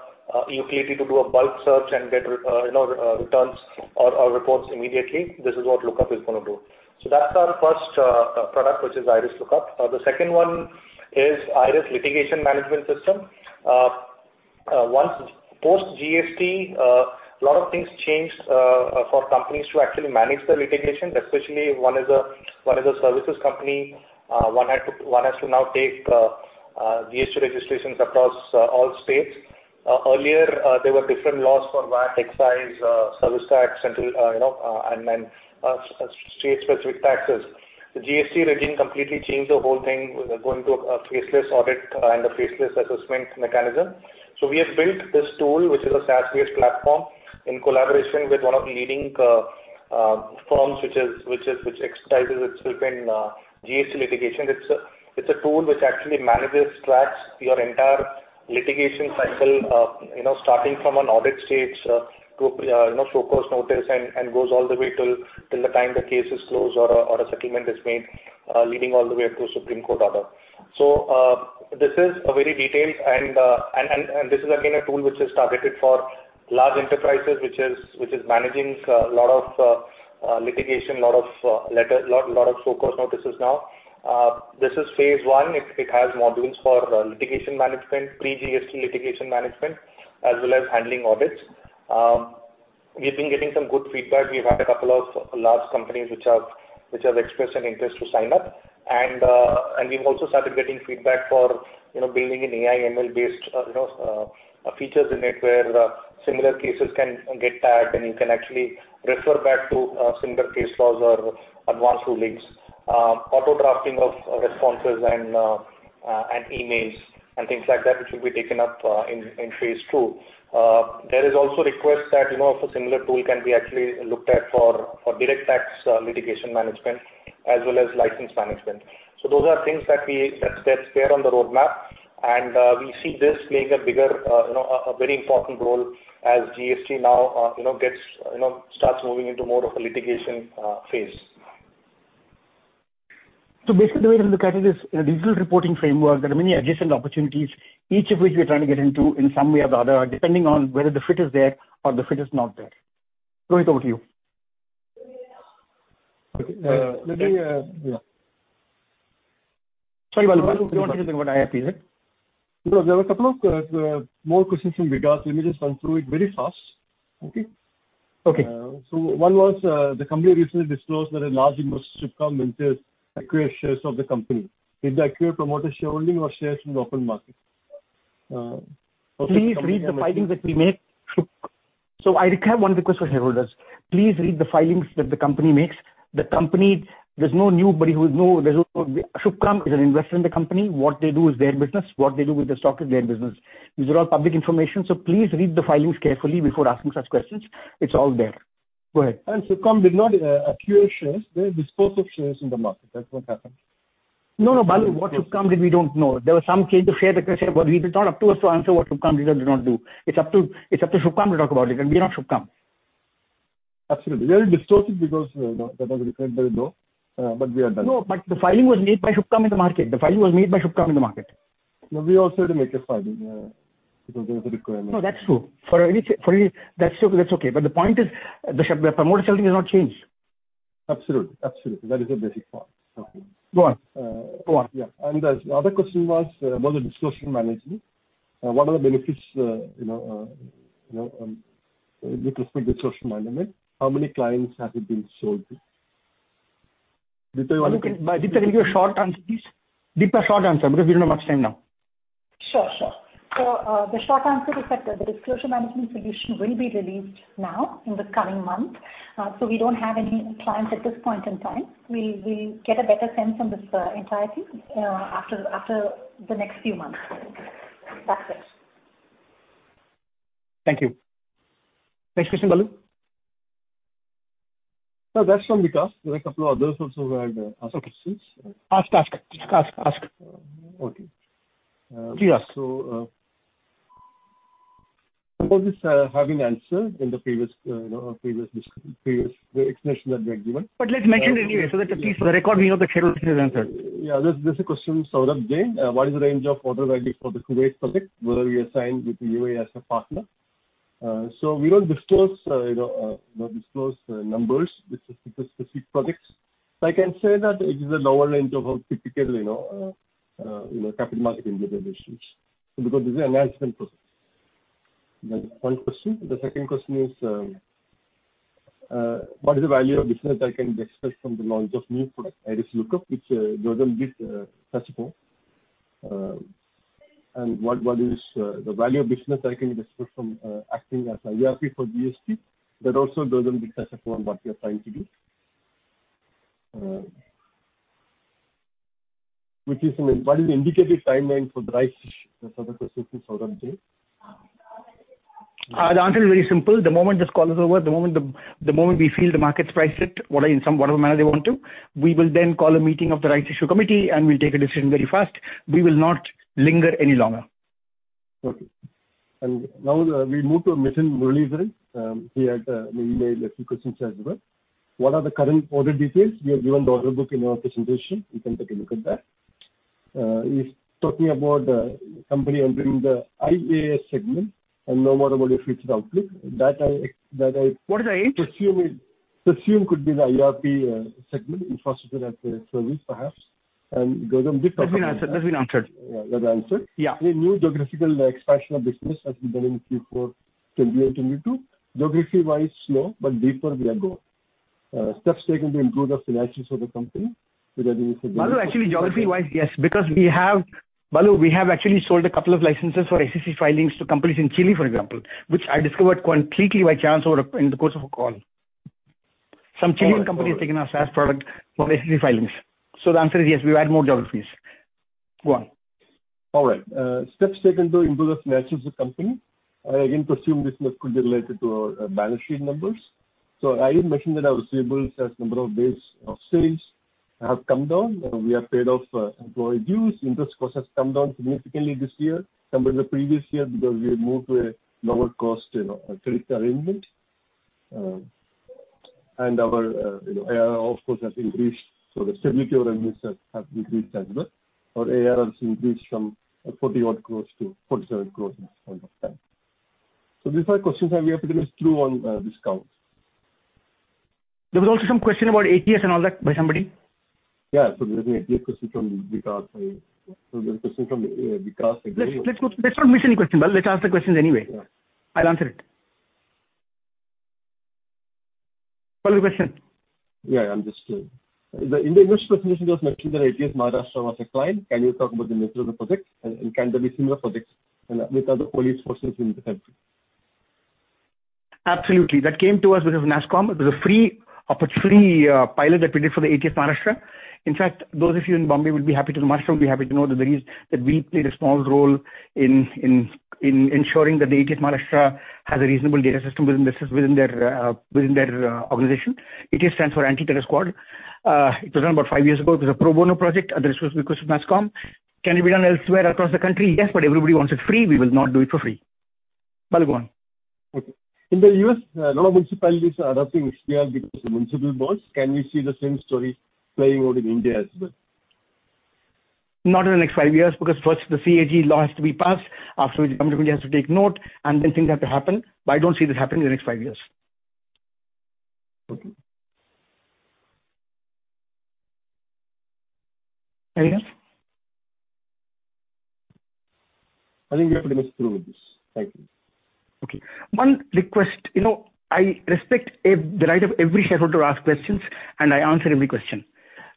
utility to do a bulk search and get returns or reports immediately. This is what Lookup is gonna do. That's our first product, which is IRIS LookUp. The second one is IRIS Litigation Management System. Post GST, a lot of things changed for companies to actually manage their litigation, especially one is a services company. One has to now take GST registrations across all states. Earlier, there were different laws for VAT, excise, service tax, central, you know, and then state specific taxes. The GST regime completely changed the whole thing with going to a faceless audit and a faceless assessment mechanism. We have built this tool, which is a SaaS-based platform, in collaboration with one of the leading firms which specializes in GST litigation. It's a tool which actually manages, tracks your entire litigation cycle, you know, starting from an audit stage, to you know, show cause notice and goes all the way till the time the case is closed or a settlement is made, leading all the way up to Supreme Court order. This is a very detailed and this is again a tool which is targeted for large enterprises, which is managing lot of litigation, lot of show cause notices now. This is phase one. It has modules for litigation management, pre-GST litigation management, as well as handling audits. We've been getting some good feedback. We've had a couple of large companies which have expressed an interest to sign up. We've also started getting feedback for, you know, building an AI/ML based features in it where similar cases can get tagged, and you can actually refer back to similar case laws or advanced rulings. Auto drafting of responses and emails and things like that, which will be taken up in phase two. There is also requests that, you know, if a similar tool can be actually looked at for direct tax litigation management as well as license management. Those are things that's there on the roadmap. We see this playing a bigger, you know, a very important role as GST now, you know, gets you know starts moving into more of a litigation phase. Basically the way to look at it is in a digital reporting framework, there are many adjacent opportunities, each of which we are trying to get into in some way or the other, depending on whether the fit is there or the fit is not there. Rohit, over to you. Okay. Let me, yeah. Sorry, Balu. You wanted to say about IRP, right? No. There were a couple of more questions from Vineet. Let me just run through it very fast. Okay? Okay. One was the company recently disclosed that a large investor, Subhkam Ventures, acquired shares of the company. Is the acquired promoter shareholding or shares from the open market? Please read the filings that we make. I have one request for shareholders. Please read the filings that the company makes. Subhkam is an investor in the company. What they do is their business. What they do with the stock is their business. This is all public information, so please read the filings carefully before asking such questions. It's all there. Go ahead. Subhkam did not acquire shares. They disposed of shares in the market. That's what happened. No, no, Balu. What Subhkam did, we don't know. There was some change of share acquisition, but it is not up to us to answer what Subhkam did or did not do. It's up to Subhkam to talk about it. We are not Subhkam. Absolutely. They have disposed it because, you know, the numbers were very low. We are done. No, but the filing was made by Subhkam in the market. No, we also had to make a filing, because there was a requirement. No, that's true. That's okay. The point is the promoter shareholding has not changed. Absolutely. That is the basic part. Okay. Go on. Yeah. The other question was about the disclosure management. What are the benefits, you know, with respect to disclosure management? How many clients have it been sold to? Deepta, you want to- Okay. Deepta, can you give a short answer please? Deepta, short answer because we don't have much time now. Sure. The short answer is that the disclosure management solution will be released now in the coming month. We don't have any clients at this point in time. We'll get a better sense on this entirety after the next few months. That's it. Thank you. Next question, Balu. No, that's from Vineet. There are a couple of others also who had asked questions. Okay. Just ask. Okay. Please ask. Suppose this have been answered in the previous, you know, the explanation that we have given. Let's mention it anyway, so that at least for the record we know the shareholder has answered. Yeah. There's a question from Saurabh Jain. What is the range of order value for the Kuwait project, whether we assigned with the UAE as a partner? We don't disclose, you know, numbers with specific projects. I can say that it is a lower range of a typical, you know, capital market individual issues. Because this is an enhancement process. That is one question. The second question is, what is the value of business that can be expressed from the launch of new product, IRIS LookUp, which doesn't give touchpoint. And what is the value of business that can be expressed from acting as an IRP for GST? That also doesn't give touchpoint what we are trying to do. What is the indicative timeline for the rights issue? That's other question from Saurabh Jain. The answer is very simple. The moment this call is over, the moment we feel the market's priced it, whatever manner they want to, we will then call a meeting of the Rights Issue Committee and we'll take a decision very fast. We will not linger any longer. Okay. Now we move to Mithun Muraleedharan. He had, he made a few questions as well. What are the current order details? We have given the order book in our presentation. You can take a look at that. He's talking about company entering the IaaS segment and know more about your future outlook. What is IaaS? Presume it, presume could be the IRP segment, Infrastructure as a Service, perhaps. It doesn't give- That's been answered. That's been answered. Yeah, that answered. Yeah. Any new geographical expansion of business has been done in Q4. Can be continued to. Geography-wise, slow but deeper we are going. Steps taken to improve the financials of the company. That is. Balu, actually geography-wise, yes, because we have Balu, we have actually sold a couple of licenses for SEC filings to companies in Chile, for example, which I discovered completely by chance in the course of a call. Some Chilean company has taken our SaaS product for SEC filings. The answer is yes, we add more geographies. Go on. All right. Steps taken to improve the financials of the company. Again, presume this could be related to our balance sheet numbers. I already mentioned that our receivables as number of days of sales have come down. We have paid off employee dues. Interest cost has come down significantly this year compared to the previous year because we have moved to a lower cost, you know, credit arrangement. Our ARR of course has increased, so the stability of our business has increased as well. Our ARR has increased from 40-odd crores to 47 crores in this point of time. These are questions and we have to get this through on this call. There was also some question about ATS and all that by somebody. Yeah. There's an ATS question from Vineet. There's a question from Vineet again. Let's not miss any question, Bal. Let's ask the questions anyway. Yeah. I'll answer it. Follow your question. In the investor presentation, it was mentioned that ATS Maharashtra was a client. Can you talk about the nature of the project and can there be similar projects with other police forces in the country? Absolutely. That came to us because of NASSCOM. It was a free pilot that we did for the ATS Maharashtra. In fact, Maharashtra would be happy to know that we played a small role in ensuring that the ATS Maharashtra has a reasonable data system within their organization. ATS stands for Anti-Terror Squad. It was done about five years ago. It was a pro bono project at the request of NASSCOM. Can it be done elsewhere across the country? Yes, but everybody wants it free. We will not do it for free. Balu. Okay. In the US, a lot of municipalities are adopting GDPR because of municipal laws. Can we see the same story playing out in India as well? Not in the next five years, because first the GDPR law has to be passed, after which the company has to take note, and then things have to happen. I don't see this happening in the next five years. Okay. Anyone else? I think we are pretty much through with this. Thank you. Okay. One request. You know, I respect the right of every shareholder to ask questions, and I answer every question.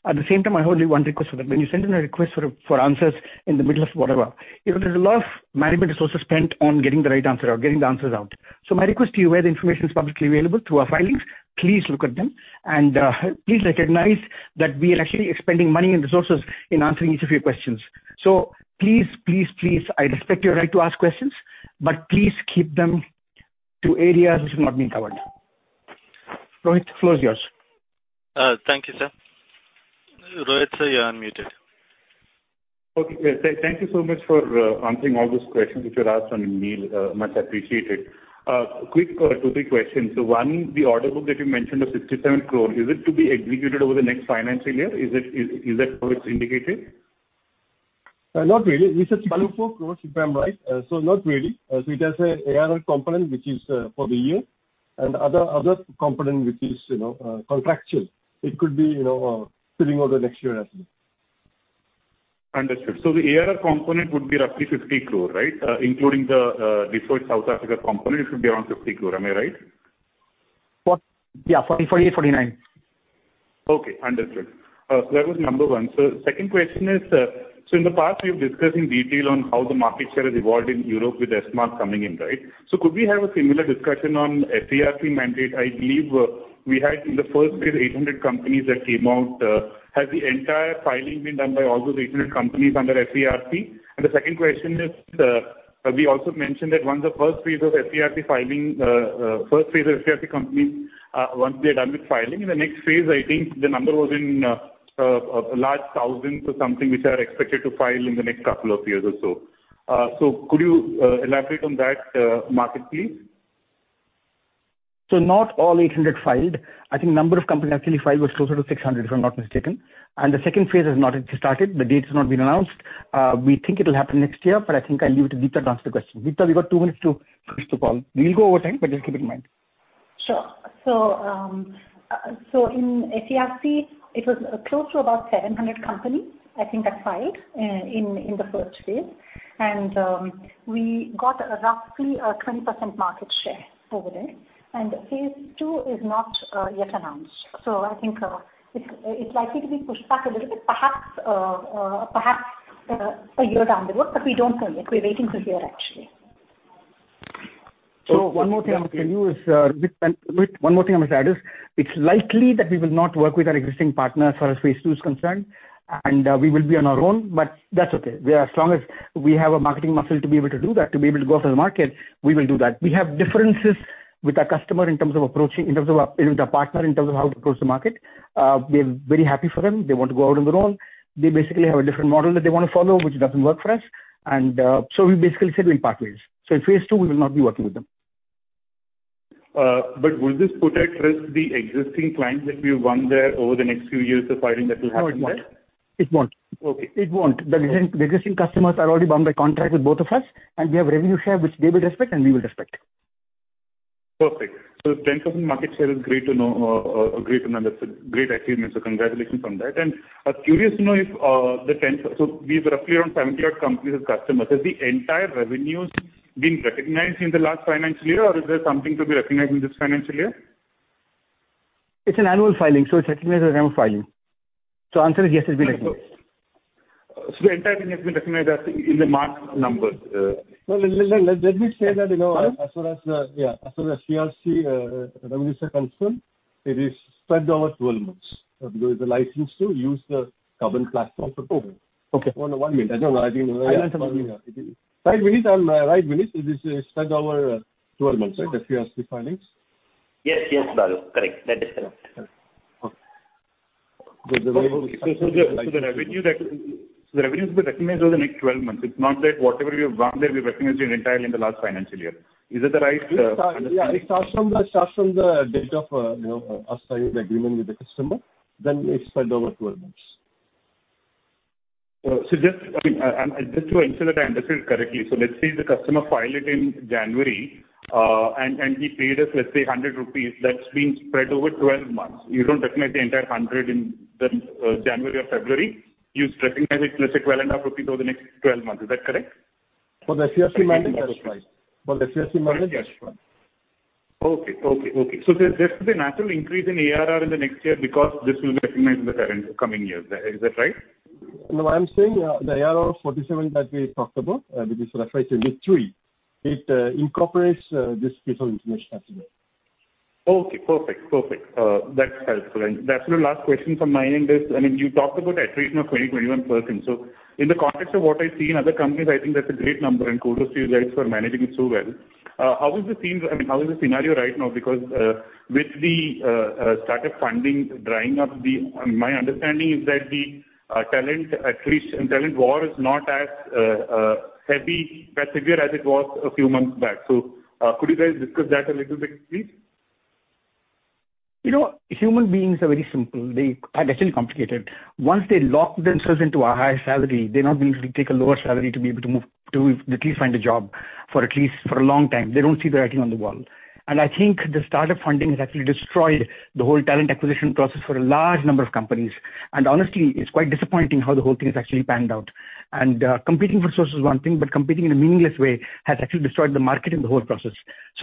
At the same time, I have only one request for them. When you send in a request for answers in the middle of whatever, you know, there's a lot of management resources spent on getting the right answer or getting the answers out. So my request to you, where the information is publicly available through our filings, please look at them. Please recognize that we are actually expending money and resources in answering each of your questions. So please, please, I respect your right to ask questions, but please keep them to areas which have not been covered. Rohit, the floor is yours. Thank you, sir. Rohit, sir, you are unmuted. Okay. Thank you so much for answering all those questions which were asked on email. Much appreciated. Quick two, three questions. One, the order book that you mentioned of 67 crore, is it to be executed over the next financial year? Is it, is that how it's indicated? Not really. We said INR 34 crores, if I'm right. Not really. It has an ARR component which is for the year and other component which is, you know, contractual. It could be, you know, spilling over next year, absolutely. Understood. The ARR component would be roughly 50 crore, right? Including the deferred South Africa component, it should be around 50 crore. Am I right? Yeah, 40, 48, 49. Okay, understood. That was number one. Second question is, in the past, we've discussed in detail on how the market share has evolved in Europe with ESMA coming in, right? Could we have a similar discussion on ESEF mandate? I believe, we had in the first phase 800 companies that came out. Has the entire filing been done by all those 800 companies under ESEF? And the second question is, we also mentioned that once the first phase of ESEF companies are done with filing, in the next phase, I think the number was in large thousands or something which are expected to file in the next couple of years or so. Could you elaborate on that market, please? Not all 800 filed. I think the number of companies actually filed was closer to 600, if I'm not mistaken. The second phase has not actually started. The date has not been announced. We think it'll happen next year, but I think I'll leave it to Deepta to answer the question. Deepta, we've got two minutes to the end of the call. We'll go overtime, but just keep it in mind. Sure. In iXBRL it was close to about 700 companies, I think, that filed in the first phase. We got roughly 20% market share over there. Phase two is not yet announced. I think it's likely to be pushed back a little bit, perhaps a year down the road, but we don't know yet. We're waiting to hear actually. One more thing I must add is it's likely that we will not work with our existing partner as far as phase two is concerned, and we will be on our own, but that's okay. We are as strong as we have a marketing muscle to be able to do that, to be able to go after the market, we will do that. We have differences with our customer in terms of approaching, with our partner in terms of how to approach the market. We are very happy for them. They want to go out on their own. They basically have a different model that they wanna follow, which doesn't work for us. We basically said we'll part ways. In phase two we will not be working with them. Will this put at risk the existing clients that we've won there over the next few years of filing that will happen there? No, it won't. It won't. It won't. Okay. The existing customers are already bound by contract with both of us, and we have revenue share which they will respect and we will respect. Perfect. 10% market share is great to know. That's a great achievement. Congratulations on that. I was curious to know if we have roughly around 70-odd companies as customers. Has the entire revenues been recognized in the last financial year, or is there something to be recognized in this financial year? It's an annual filing, so it's recognized as annual filing. Answer is yes, it's been recognized. The entire thing has been recognized as in the marked numbers. Well, let me say that, you know, as far as IRIS Carbon revenue is concerned, it is spread over 12 months, because the license to use the Carbon platform for Oh, okay. One minute. I don't know. I think. I understand. Five minutes. It is spread over 12 months, right? The FCRB filings. Yes. Yes, Balu. Correct. That is correct. Okay. The revenue will be recognized over the next 12 months. It's not that whatever we have won there, we've recognized it entirely in the last financial year. Is that the right understanding? Yeah. It starts from the date of you know us signing the agreement with the customer, then it's spread over 12 months. Just, I mean, just to ensure that I understood correctly. Let's say the customer file it in January, and he paid us, let's say 100 rupees, that's being spread over 12 months. You don't recognize the entire 100 in the January or February. You recognize it, let's say INR 12.5 over the next 12 months. Is that correct? For the FCRB mandate, that's right. Okay. There is a natural increase in ARR in the next year because this will be recognized in the current coming year. Is that right? No, I'm saying, the ARR of 47 that we talked about, which is refreshed in Q3, it incorporates this piece of information as well. Okay, perfect. That's helpful. That's the last question from my end is, I mean, you talked about attrition of 20.1%. In the context of what I see in other companies, I think that's a great number, and kudos to you guys for managing it so well. How is the scenario right now? Because with the startup funding drying up, my understanding is that the talent war is not as heavy, as severe as it was a few months back. Could you guys discuss that a little bit please? You know, human beings are very simple. They are actually complicated. Once they lock themselves into a high salary, they're not going to take a lower salary to be able to move to at least find a job for at least a long time. They don't see that writing on the wall. I think the startup funding has actually destroyed the whole talent acquisition process for a large number of companies. Honestly, it's quite disappointing how the whole thing has actually panned out. Competing for resources is one thing, but competing in a meaningless way has actually destroyed the market and the whole process.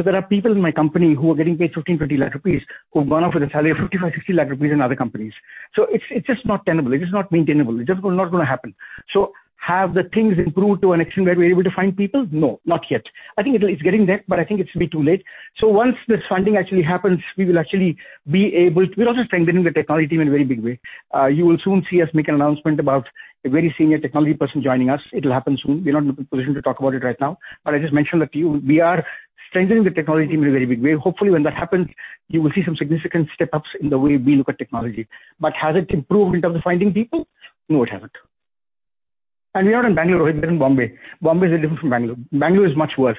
There are people in my company who are getting paid 15-20 lakh rupees who've gone off with a salary of 55-60 lakh rupees in other companies. It's just not tenable. It is not maintainable. It's just not gonna happen. Have the things improved to an extent where we're able to find people? No, not yet. I think it's getting there, but I think it's a bit too late. Once this funding actually happens, we will actually be able. We're also strengthening the technology team in a very big way. You will soon see us make an announcement about a very senior technology person joining us. It'll happen soon. We're not in a position to talk about it right now. I just mention that we are strengthening the technology team in a very big way. Hopefully, when that happens, you will see some significant step-ups in the way we look at technology. Has it improved in terms of finding people? No, it hasn't. We are in Bangalore, we're in Bombay. Bombay is different from Bangalore. Bangalore is much worse.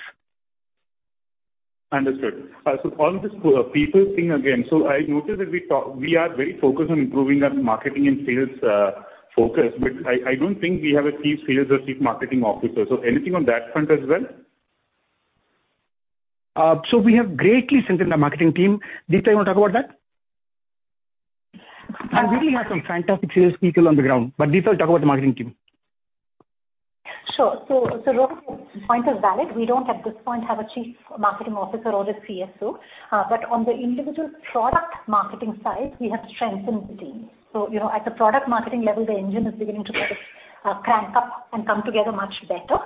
Understood. On this people thing again. I noticed that we are very focused on improving our marketing and sales focus. I don't think we have a chief sales or chief marketing officer. Anything on that front as well? We have greatly strengthened the marketing team. Deepta, you wanna talk about that? We do have some fantastic sales people on the ground. Deepta will talk about the marketing team. Sure. Rohit's point is valid. We don't at this point have a chief marketing officer or a CSO. But on the individual product marketing side, we have strengthened the team. You know, at the product marketing level, the engine is beginning to kind of crank up and come together much better,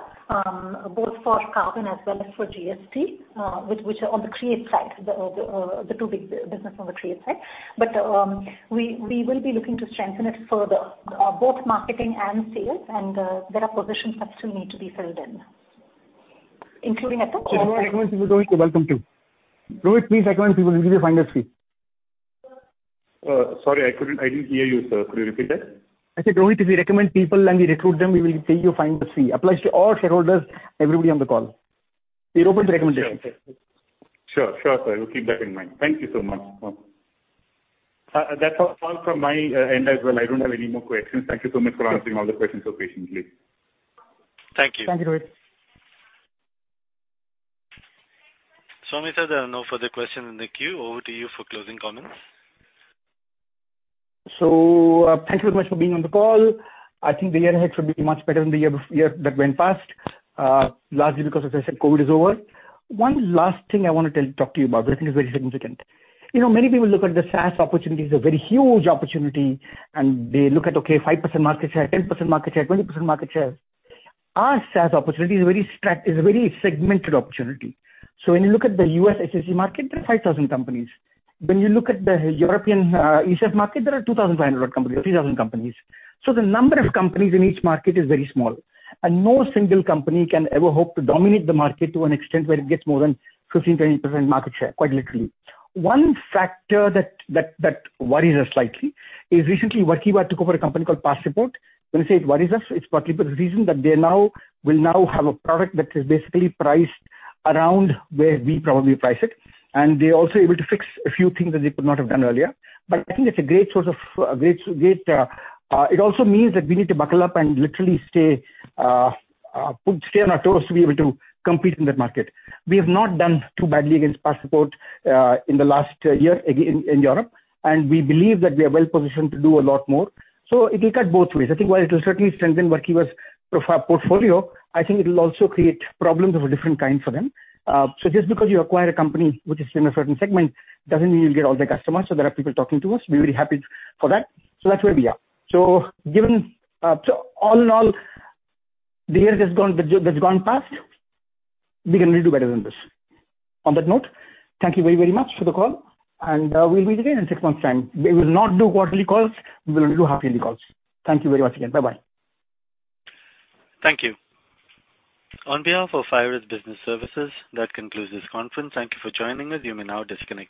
both for Carbon as well as for GST, which are on the Create side, the two big business on the Create side. But we will be looking to strengthen it further, both marketing and sales, and there are positions that still need to be filled in. Including at the- Rohit, please recommend people. We give you a finder's fee. Sorry, I didn't hear you, sir. Could you repeat that? I said, Rohit, if you recommend people and we recruit them, we will pay you a finder's fee. Applies to all shareholders, everybody on the call. We're open to recommendations. Sure. Sure, sir. We'll keep that in mind. Thank you so much. That's all from my end as well. I don't have any more questions. Thank you so much for answering all the questions so patiently. Thank you. Thank you, Rohit. Swami sir, there are no further questions in the queue. Over to you for closing comments. Thank you very much for being on the call. I think the year ahead should be much better than the year that went past, largely because as I said, COVID is over. One last thing I wanted to talk to you about that I think is very significant. You know, many people look at the SaaS opportunity as a very huge opportunity, and they look at, okay, 5% market share, 10% market share, 20% market share. Our SaaS opportunity is a very segmented opportunity. When you look at the US SEC market, there are 5,000 companies. When you look at the European ESEF market, there are 2,500 companies or 3,000 companies. The number of companies in each market is very small, and no single company can ever hope to dominate the market to an extent where it gets more than 15%-20% market share, quite literally. One factor that worries us slightly is recently Workiva took over a company called ParsePort. When I say it worries us, it's partly for the reason that they now have a product that is basically priced around where we probably price it, and they're also able to fix a few things that they could not have done earlier. I think it's a great source of great. It also means that we need to buckle up and literally stay on our toes to be able to compete in that market. We have not done too badly against ParsePort in the last year in Europe, and we believe that we are well-positioned to do a lot more. It will cut both ways. I think while it will certainly strengthen Workiva's portfolio, I think it'll also create problems of a different kind for them. Just because you acquire a company which is in a certain segment doesn't mean you'll get all their customers. There are people talking to us. We're very happy for that. That's where we are. All in all, the year that's gone past, we can really do better than this. On that note, thank you very, very much for the call, and we'll meet again in six months' time. We will not do quarterly calls. We will only do half-yearly calls. Thank you very much again. Bye-bye. Thank you. On behalf of IRIS Business Services, that concludes this conference. Thank you for joining us. You may now disconnect your phones.